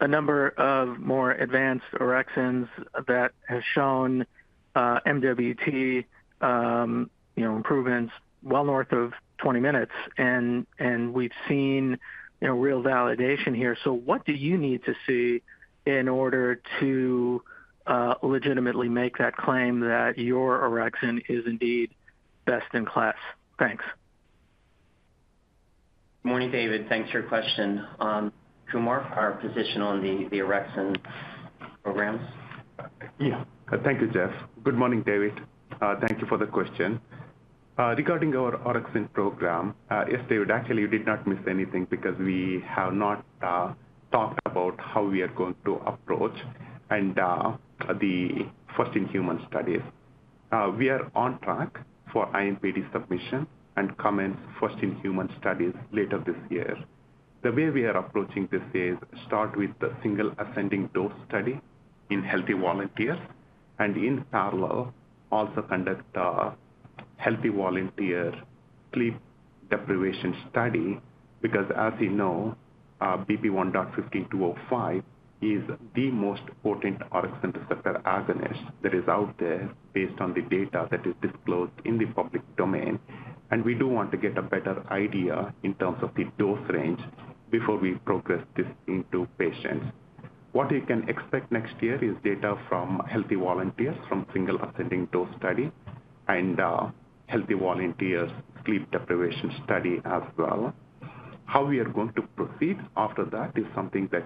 a number of more advanced orexins that have shown MWT improvements well north of 20 minutes, and we've seen real validation here. What do you need to see in order to legitimately make that claim that your orexin is indeed best in class? Thanks. Morning, David. Thanks for your question. Kumar, our position on the orexin programs? Yeah, thank you, Jeff. Good morning, David. Thank you for the question. Regarding our orexin program, yes, David, actually, you did not miss anything because we have not talked about how we are going to approach the first-in-human studies. We are on track for IMPD submission and commence first-in-human studies later this year. The way we are approaching this is to start with the single ascending dose study in healthy volunteers and in parallel also conduct a healthy volunteer sleep deprivation study because, as you know, BP1.15205 is the most potent orexin-2 receptor agonist that is out there based on the data that is disclosed in the public domain. We do want to get a better idea in terms of the dose range before we progress this into patients. What you can expect next year is data from healthy volunteers from single ascending dose study and healthy volunteer sleep deprivation study as well. How we are going to proceed after that is something that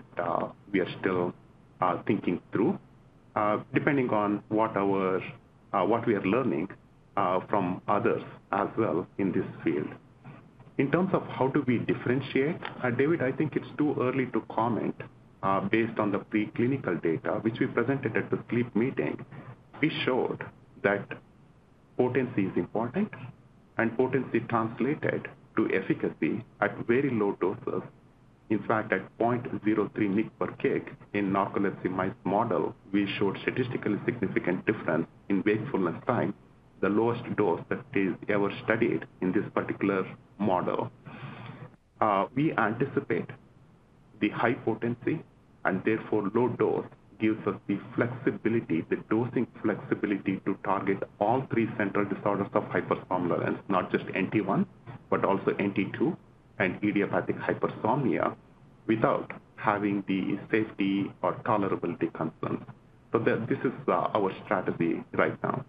we are still thinking through, depending on what we are learning from others as well in this field. In terms of how do we differentiate, David, I think it's too early to comment. Based on the preclinical data, which we presented at the sleep meeting, we showed that potency is important, and potency translated to efficacy at very low doses. In fact, at 0.03 mcg/kg in the narcolepsy mice model, we showed a statistically significant difference in wakefulness time, the lowest dose that is ever studied in this particular model. We anticipate the high potency and therefore low dose gives us the flexibility, the dosing flexibility to target all three central disorders of hypersomnolence, not just NT1, but also NT2 and idiopathic hypersomnia without having the safety or tolerability concerns. This is our strategy right now.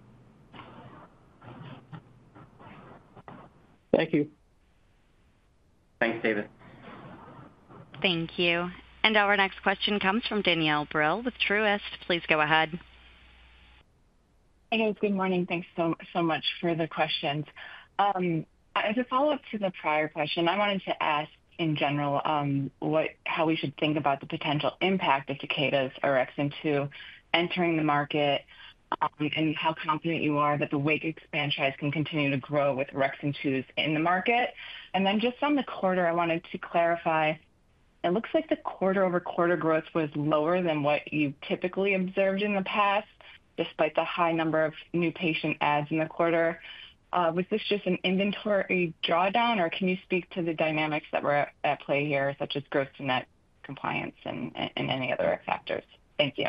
Thank you. Thanks, David. Thank you. Our next question comes from Danielle Brill with Truist. Please go ahead. Hey, good morning. Thanks so much for the questions. As a follow-up to the prior question, I wanted to ask in general how we should think about the potential impact of Takeda's orexin-2 entering the market and how confident you are that the WAKIX franchise can continue to grow with orexin-2s in the market. Just on the quarter, I wanted to clarify, it looks like the quarter-over-quarter growth was lower than what you typically observed in the past despite the high number of new patient ads in the quarter. Was this just an inventory drawdown, or can you speak to the dynamics that were at play here, such as growth to net compliance and any other factors? Thank you.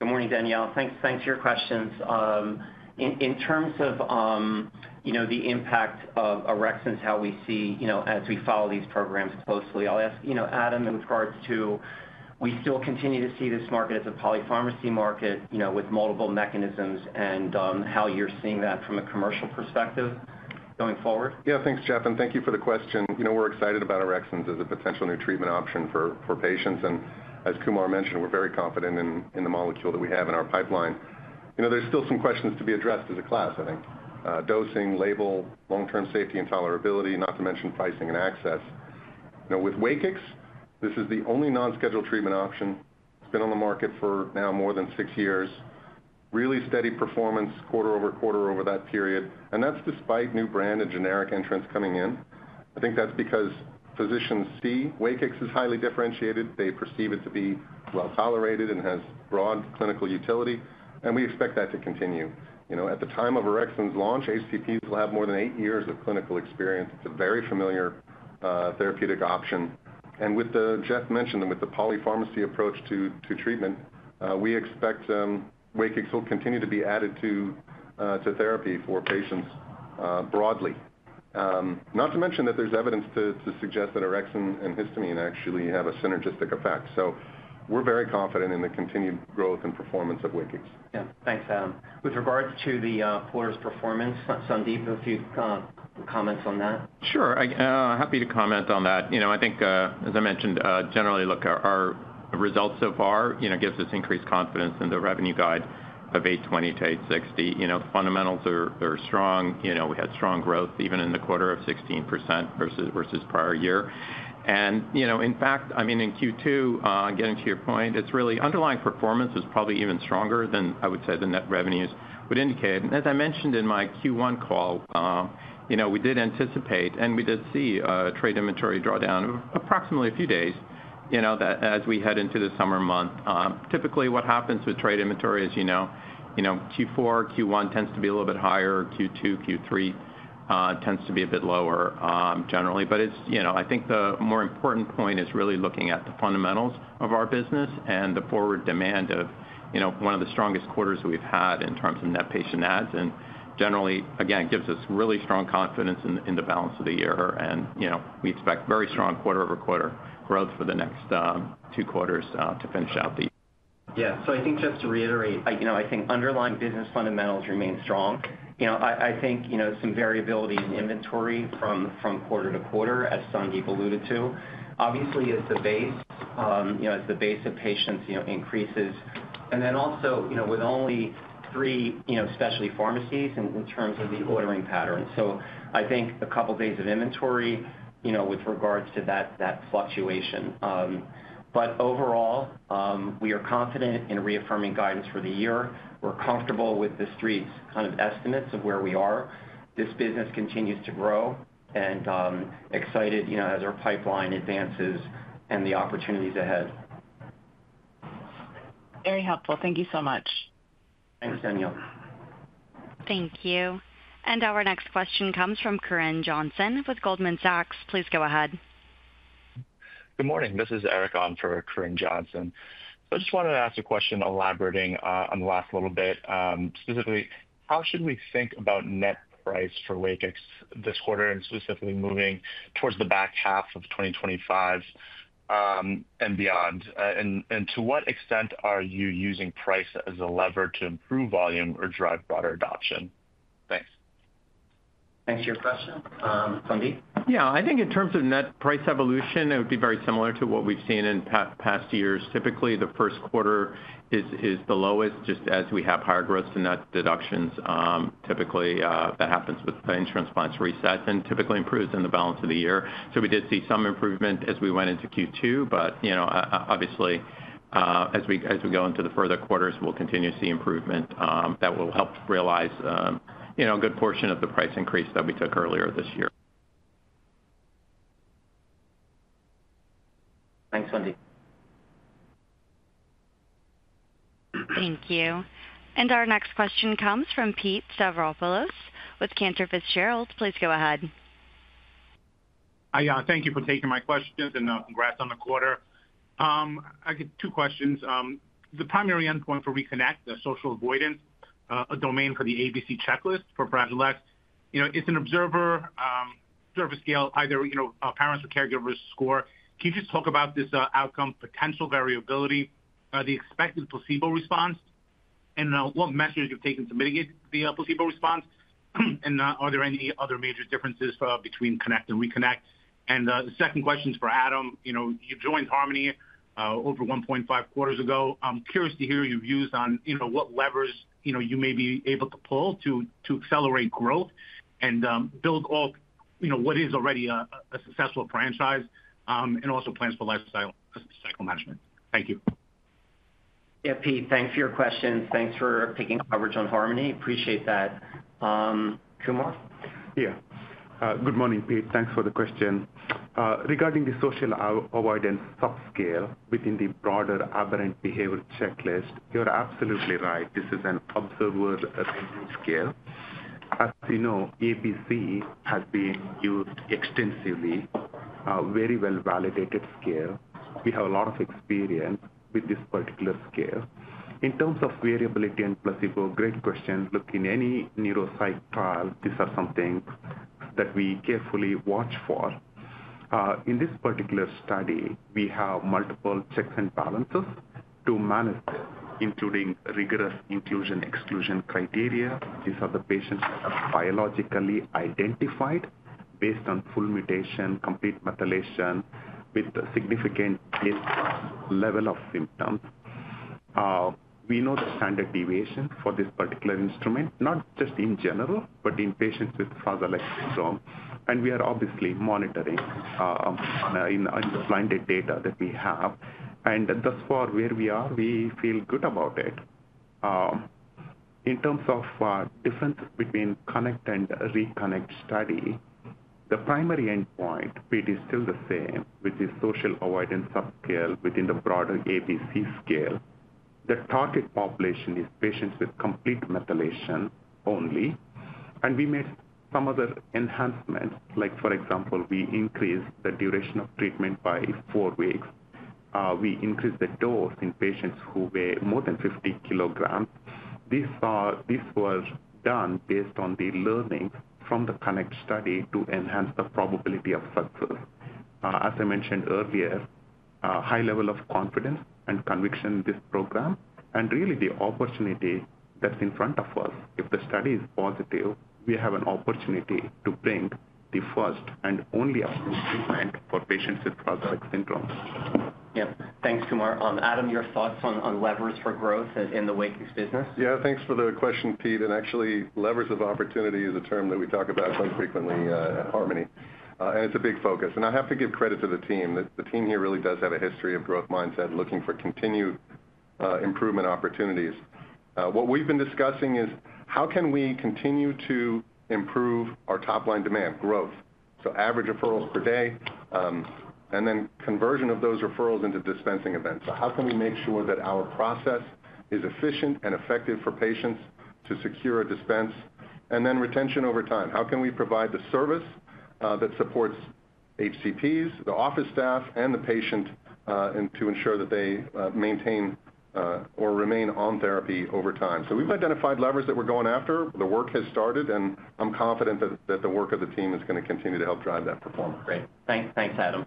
Good morning, Danielle. Thanks for your questions. In terms of the impact of orexins, how we see as we follow these programs closely, I'll ask Adam Zaeske in regards to we still continue to see this market as a polypharmacy market with multiple mechanisms, and how you're seeing that from a commercial perspective going forward? Yeah, thanks, Jeff, and thank you for the question. We're excited about orexins as a potential new treatment option for patients. As Kumar mentioned, we're very confident in the molecule that we have in our pipeline. There are still some questions to be addressed as a class, I think: dosing, label, long-term safety and tolerability, not to mention pricing and access. With WAKIX, this is the only non-scheduled treatment option. It's been on the market for now more than six years. Really steady performance quarter-over-quarter over that period, and that's despite new brand and generic entrants coming in. I think that's because physicians see WAKIX as highly differentiated. They perceive it to be well tolerated and has broad clinical utility, and we expect that to continue. At the time of orexins launch, HCPs will have more than eight years of clinical experience. It's a very familiar therapeutic option. With the, Jeff mentioned, with the polypharmacy approach to treatment, we expect WAKIX will continue to be added to therapy for patients broadly. There is evidence to suggest that orexin and histamine actually have a synergistic effect. We're very confident in the continued growth and performance of WAKIX. Yeah, thanks, Adam. With regards to the quarter's performance, Sandip, if you could comment on that. Sure, happy to comment on that. I think, as I mentioned, generally, look, our results so far give us increased confidence in the revenue guide of $820 million-$860 million. The fundamentals are strong. We had strong growth even in the quarter of 16% versus prior year. In fact, in Q2, getting to your point, it's really underlying performance is probably even stronger than I would say the net revenues would indicate. As I mentioned in my Q1 call, we did anticipate and we did see a trade inventory drawdown of approximately a few days as we head into the summer month. Typically, what happens with trade inventory, as you know, Q4, Q1 tends to be a little bit higher. Q2, Q3 tends to be a bit lower generally. The more important point is really looking at the fundamentals of our business and the forward demand of one of the strongest quarters that we've had in terms of net patient adds. Generally, again, it gives us really strong confidence in the balance of the year, and we expect very strong quarter-over-quarter growth for the next two quarters to finish out the. Yeah, I think just to reiterate, I think underlying business fundamentals remain strong. I think some variability in inventory from quarter-to-quarter, as Sandip alluded to, obviously as the base of patients increases. Also, with only three specialty pharmacies in terms of the ordering pattern, I think a couple of days of inventory with regards to that fluctuation. Overall, we are confident in reaffirming guidance for the year. We're comfortable with the street kind of estimates of where we are. This business continues to grow and I'm excited as our pipeline advances and the opportunities ahead. Very helpful. Thank you so much. Thanks, Danielle. Thank you. Our next question comes from Corinne Johnson with Goldman Sachs. Please go ahead. Good morning. This is Eric Ahn for Corinne Johnson. I just wanted to ask a question elaborating on the last little bit. Specifically, how should we think about net price for WAKIX this quarter, and specifically moving towards the back half of 2025 and beyond? To what extent are you using price as a lever to improve volume or drive broader adoption? Thanks. Thanks for your question. Sandip? Yeah, I think in terms of net price evolution, it would be very similar to what we've seen in past years. Typically, the first quarter is the lowest, just as we have higher gross to net deductions. Typically, that happens with the insurance plans reset and typically improves in the balance of the year. We did see some improvement as we went into Q2, but obviously, as we go into the further quarters, we'll continue to see improvement that will help realize a good portion of the price increase that we took earlier this year. Thanks, Sandip. Thank you. Our next question comes from Pete Stavropoulos with Cantor Fitzgerald. Please go ahead. Hi, yeah, thank you for taking my question and congrats on the quarter. I get two questions. The primary endpoint for RE-CONNECT, the social avoidance, a domain for the ABC checklist for Fragile X, it's an observer scale, either parents or caregivers score. Can you just talk about this outcome, potential variability, the expected placebo response, and what measures you've taken to mitigate the placebo response? Are there any other major differences between CONNECT and RE-CONNECT? The second question is for Adam. You joined Harmony over 1.5 quarters ago. I'm curious to hear your views on what levers you may be able to pull to accelerate growth and build up what is already a successful franchise and also plans for lifecycle management. Thank you. Yeah, Pete, thanks for your questions. Thanks for taking coverage on Harmony. Appreciate that. Kumar? Yeah, good morning, Pete. Thanks for the question. Regarding the social avoidance subscale within the broader aberrant behavior checklist, you're absolutely right. This is an observer assessment scale. As you know, ABC has been used extensively, a very well-validated scale. We have a lot of experience with this particular scale. In terms of variability and placebo, great question. In any neuropsych trial, these are some things that we carefully watch for. In this particular study, we have multiple checks and balances to manage, including rigorous inclusion-exclusion criteria. These are the patients that are biologically identified based on full mutation, complete methylation with a significant base level of symptoms. We know the standard deviation for this particular instrument, not just in general, but in patients with Fragile X syndrome. We are obviously monitoring in the blinded data that we have. Thus far, where we are, we feel good about it. In terms of differences between CONNECT and RE-CONNECT study, the primary endpoint, Pete, is still the same, which is social avoidance subscale within the broader ABC scale. The target population is patients with complete methylation only. We made some other enhancements, like for example, we increased the duration of treatment by four weeks. We increased the dose in patients who weigh more than 50 kg. These were done based on the learnings from the CONNECT study to enhance the probability of success. As I mentioned earlier, a high level of confidence and conviction in this program and really the opportunity that's in front of us. If the study is positive, we have an opportunity to bring the first and only achievement for patients with Fragile X syndrome. Yeah, thanks, Kumar. Adam, your thoughts on levers for growth in the WAKIX business? Yeah, thanks for the question, Pete. Levers of opportunity is a term that we talk about so frequently at Harmony, and it's a big focus. I have to give credit to the team. The team here really does have a history of growth mindset, looking for continued improvement opportunities. What we've been discussing is how can we continue to improve our top-line demand growth, so average referrals per day, and then conversion of those referrals into dispensing events. How can we make sure that our process is efficient and effective for patients to secure a dispense and then retention over time? How can we provide the service that supports HCPs, the office staff, and the patient to ensure that they maintain or remain on therapy over time? We've identified levers that we're going after. The work has started, and I'm confident that the work of the team is going to continue to help drive that performance. Great. Thanks, Adam.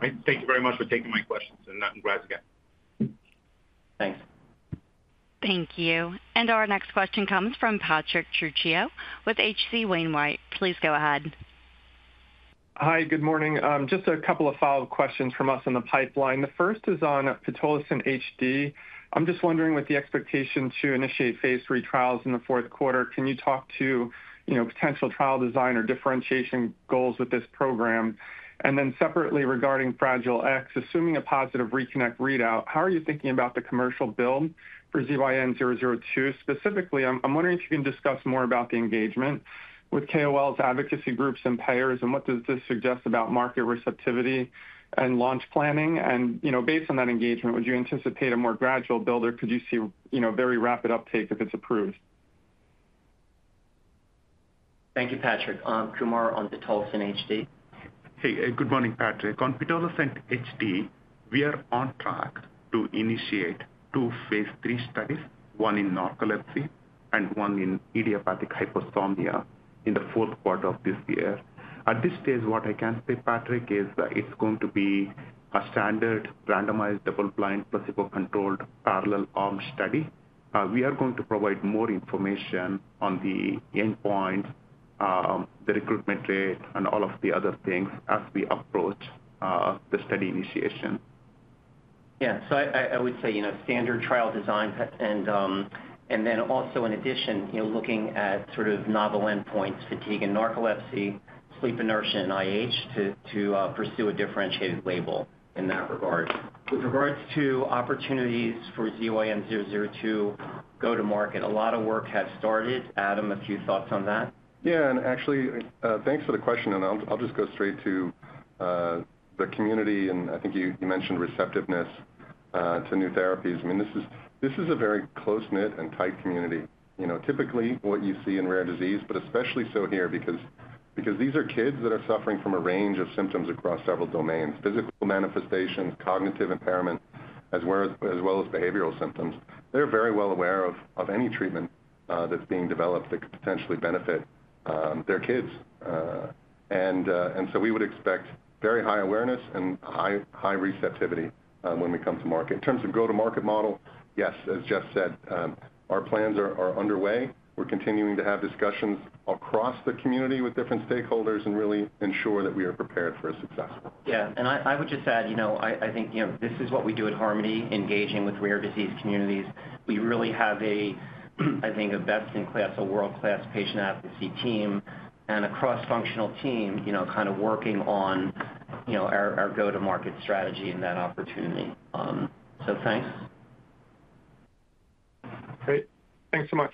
Thank you very much for taking my questions, and congrats again. Thanks. Thank you. Our next question comes from Patrick Trucchio with H.C. Wainwright. Please go ahead. Hi, good morning. Just a couple of follow-up questions from us in the pipeline. The first is on pitolacin HD. I'm just wondering, with the expectation to initiate phase III trials in the fourth quarter, can you talk to potential trial design or differentiation goals with this program? Separately, regarding Fragile X, assuming a positive RE-CONNECT readout, how are you thinking about the commercial build for ZYN-002? Specifically, I'm wondering if you can discuss more about the engagement with KOLs, advocacy groups, and payers, and what does this suggest about market receptivity and launch planning? Based on that engagement, would you anticipate a more gradual build, or could you see a very rapid uptake if it's approved? Thank you, Patrick. Kumar on pitolacin HD. Hey, good morning, Patrick. On pitolacin HD, we are on track to initiate two phase III studies, one in narcolepsy and one in idiopathic hypersomnia in the fourth quarter of this year. At this stage, what I can say, Patrick, is that it's going to be a standard randomized double-blind placebo-controlled parallel arm study. We are going to provide more information on the endpoints, the recruitment rate, and all of the other things as we approach the study initiation. I would say standard trial designs and then also in addition looking at sort of novel endpoints, fatigue in narcolepsy, sleep inertia, and idiopathic hypersomnia to pursue a differentiated label in that regard. With regards to opportunities for ZYN-002 go-to-market, a lot of work has started. Adam, a few thoughts on that? Yeah, actually, thanks for the question. I'll just go straight to the community, and I think you mentioned receptiveness to new therapies. This is a very close-knit and tight community, typically what you see in rare disease, but especially so here because these are kids that are suffering from a range of symptoms across several domains: physical manifestations, cognitive impairment, as well as behavioral symptoms. They're very well aware of any treatment that's being developed that could potentially benefit their kids. We would expect very high awareness and high receptivity when we come to market. In terms of go-to-market model, yes, as Jeff said, our plans are underway. We're continuing to have discussions across the community with different stakeholders and really ensure that we are prepared for a success. Yeah, I would just add, you know, I think this is what we do at Harmony, engaging with rare disease communities. We really have a, I think, a best-in-class, a world-class patient advocacy team and a cross-functional team working on our go-to-market strategy and that opportunity. Thanks. Great, thanks so much.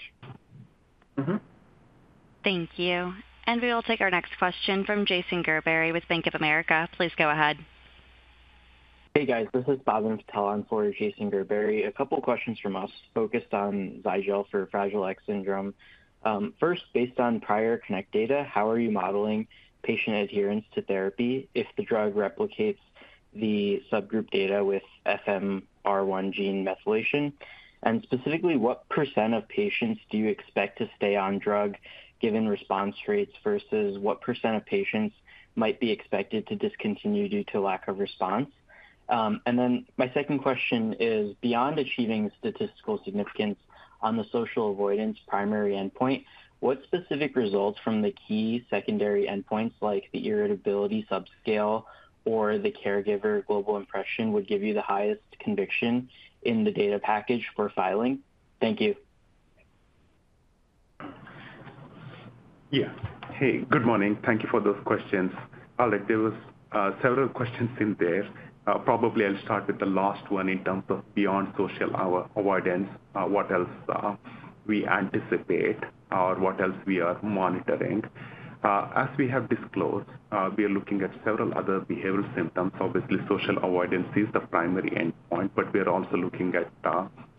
Thank you. We will take our next question from Jason Gerberry with Bank of America. Please go ahead. Hey, guys. This is Bhavan Patel on for Jason Gerberi. A couple of questions from us focused on ZYN-002 for Fragile X syndrome. First, based on prior CONNECT data, how are you modeling patient adherence to therapy if the drug replicates the subgroup data with FMR1 gene methylation? Specifically, what percent of patients do you expect to stay on drug given response rates versus what percent of patients might be expected to discontinue due to lack of response? My second question is, beyond achieving statistical significance on the social avoidance primary endpoint, what specific results from the key secondary endpoints like the irritability subscale or the caregiver global impression would give you the highest conviction in the data package for filing? Thank you. Yes. Hey, good morning. Thank you for those questions. There were several questions in there. Probably I'll start with the last one in terms of beyond social avoidance, what else we anticipate or what else we are monitoring. As we have disclosed, we are looking at several other behavioral symptoms. Obviously, social avoidance is the primary endpoint, but we are also looking at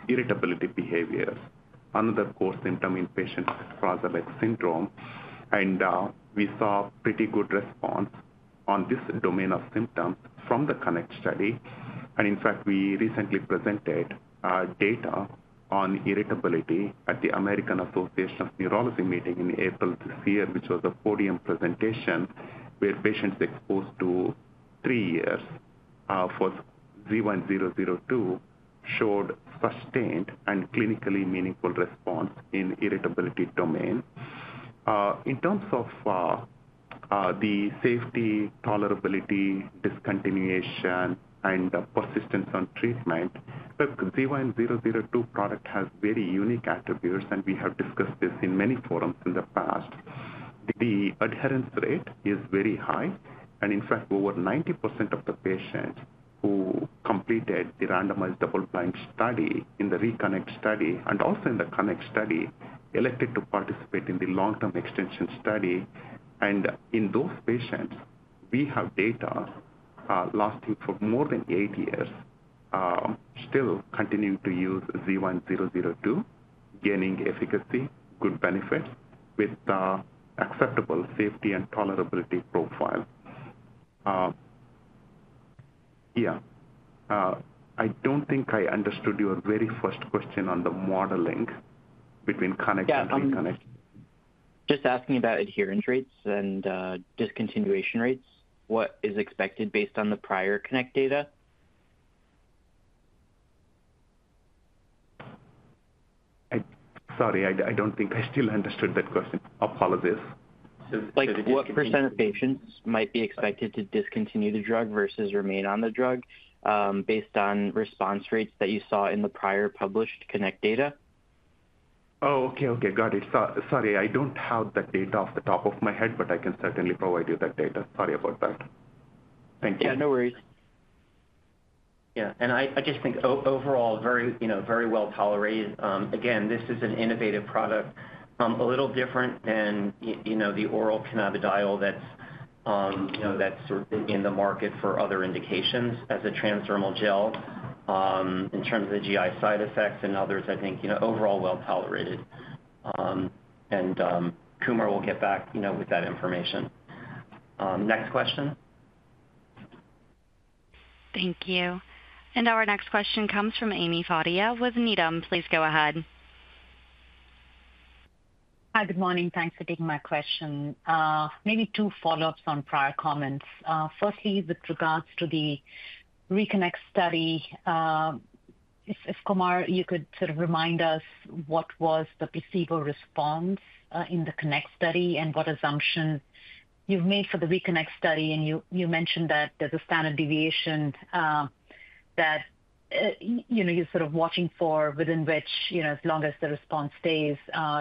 irritability behaviors, another core symptom in patients with Fragile X syndrome. We saw a pretty good response on this domain of symptoms from the CONNECT study. In fact, we recently presented data on irritability at the American Association of Neurology meeting in April this year, which was a podium presentation where patients exposed to three years for ZYN-002 showed sustained and clinically meaningful response in the irritability domain. In terms of the safety, tolerability, discontinuation, and persistence on treatment, the ZYN-002 product has very unique attributes, and we have discussed this in many forums in the past. The adherence rate is very high, and in fact, over 90% of the patients who completed the randomized double-blind study in the RE-CONNECT study and also in the CONNECT study elected to participate in the long-term extension study. In those patients, we have data last week for more than eight years still continuing to use ZYN-002, gaining efficacy, good benefit with the accessible safety and tolerability profile. I don't think I understood your very first question on the modeling between CONNECT and RE-CONNECT. Yeah, just asking about adherence rates and discontinuation rates. What is expected based on the prior CONNECT data? Sorry, I don't think I still understood that question. Apologies. What percent of patients might be expected to discontinue the drug versus remain on the drug based on response rates that you saw in the prior published CONNECT data? Okay, got it. Sorry, I don't have that data off the top of my head, but I can certainly provide you that data. Sorry about that. Thank you. Yeah, no worries. I just think overall very well tolerated. Again, this is an innovative product, a little different than the oral cannabis. Know. That's certainly in the market for other indications as a transdermal gel. In terms of the GI side effects and others, I think overall well tolerated. Kumar will get back with that information. Next question. Thank you. Our next question comes from Amy Fadia with Needham. Please go ahead. Hi, good morning. Thanks for taking my question. Maybe two follow-ups on prior comments. Firstly, with regards to the RE-CONNECT study, if Kumar, you could sort of remind us what was the placebo response in the CONNECT study and what assumptions you've made for the RE-CONNECT study. You mentioned that there's a standard deviation that you're sort of watching for within which, as long as the response stays,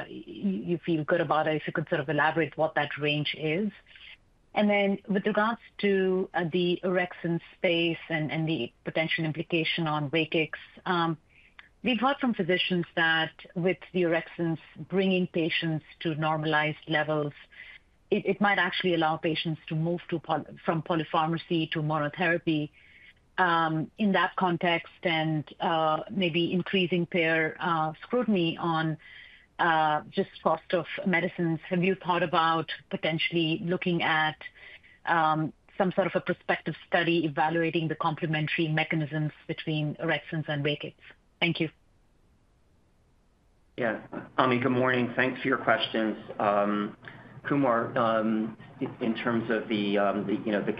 you feel good about it. If you could sort of elaborate what that range is. With regards to the orexin space and the potential implication on WAKIX, we've heard from physicians that with the orexins bringing patients to normalized levels, it might actually allow patients to move from polypharmacy to monotherapy, in that context and maybe increasing their scrutiny on just cost of medicines. Have you thought about potentially looking at some sort of a prospective study evaluating the complementary mechanisms between orexins and WAKIX? Thank you. Yeah. Amy, good morning. Thanks for your questions. Kumar, in terms of the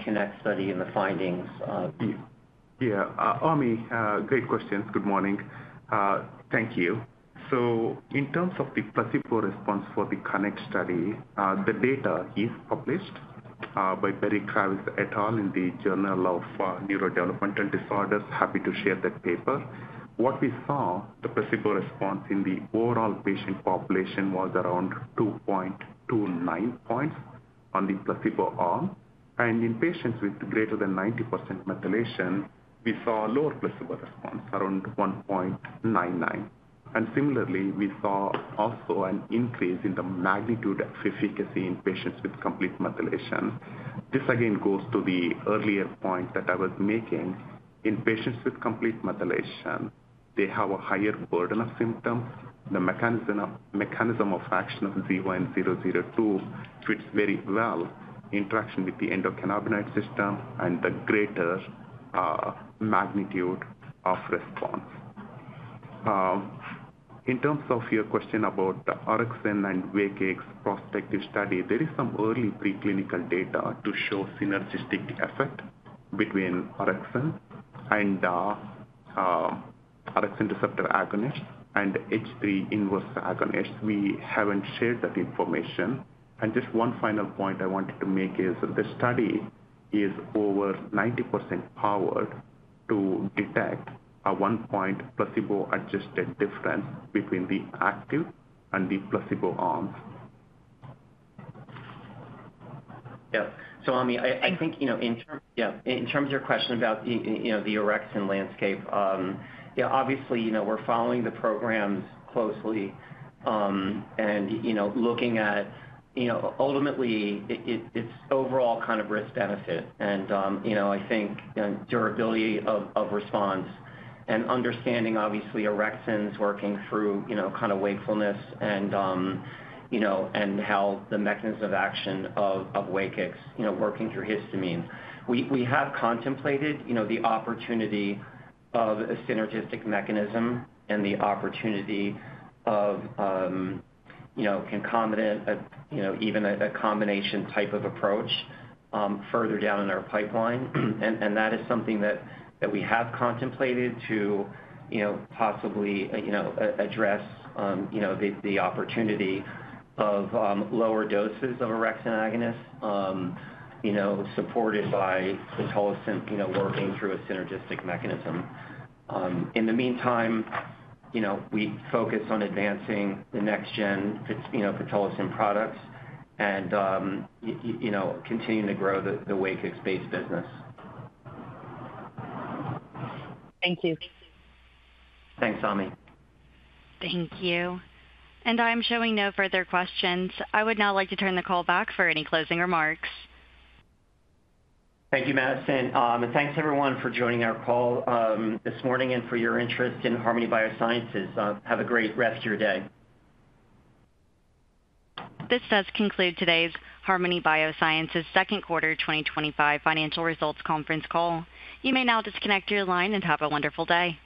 CONNECT study and the findings, Yeah. Amy, great questions. Good morning. Thank you. In terms of the placebo response for the CONNECT study, the data is published by Barry Travis et al. in the Journal of Neurodevelopmental Disorders. Happy to share that paper. What we saw, the placebo response in the overall patient population was around 2.29 points on the placebo arm. In patients with greater than 90% methylation, we saw a lower placebo response, around 1.99. Similarly, we saw also an increase in the magnitude of efficacy in patients with complete methylation. This, again, goes to the earlier point that I was making. In patients with complete methylation, they have a higher burden of symptoms. The mechanism of action of ZYN-002 fits very well in interaction with the endocannabinoid system and the greater magnitude of response. In terms of your question about the orexin and WAKIX prospective study, there is some early preclinical data to show synergistic effect between orexin and orexin receptor agonists and H3 inverse agonists. We haven't shared that information. Just one final point I wanted to make is the study is over 90% powered to detect a one-point placebo-adjusted difference between the active and the placebo arms. Yeah. Amy, I think, in terms of your question about the orexin landscape, obviously, we're following the programs closely and looking at, ultimately, its overall kind of risk-benefit. I think durability of response and understanding, obviously, orexins working through kind of wakefulness and how the mechanism of action of WAKIX, working through histamine. We have contemplated the opportunity of a synergistic mechanism and the opportunity of even a combination type of approach further down in our pipeline. That is something that we have contemplated to possibly address the opportunity of lower doses of orexin agonist supported by pitolacin, working through a synergistic mechanism. In the meantime, we focus on advancing the next-gen pitolacin products and continuing to grow the WAKIX-based business. Thank you. Thanks, Amy. Thank you. I'm showing no further questions. I would now like to turn the call back for any closing remarks. Thank you, Madison, and thanks everyone for joining our call this morning and for your interest in Harmony Biosciences. Have a great rest of your day. This does conclude today's Harmony Biosciences Second Quarter 2025 Financial Results Conference Call. You may now disconnect your line and have a wonderful day.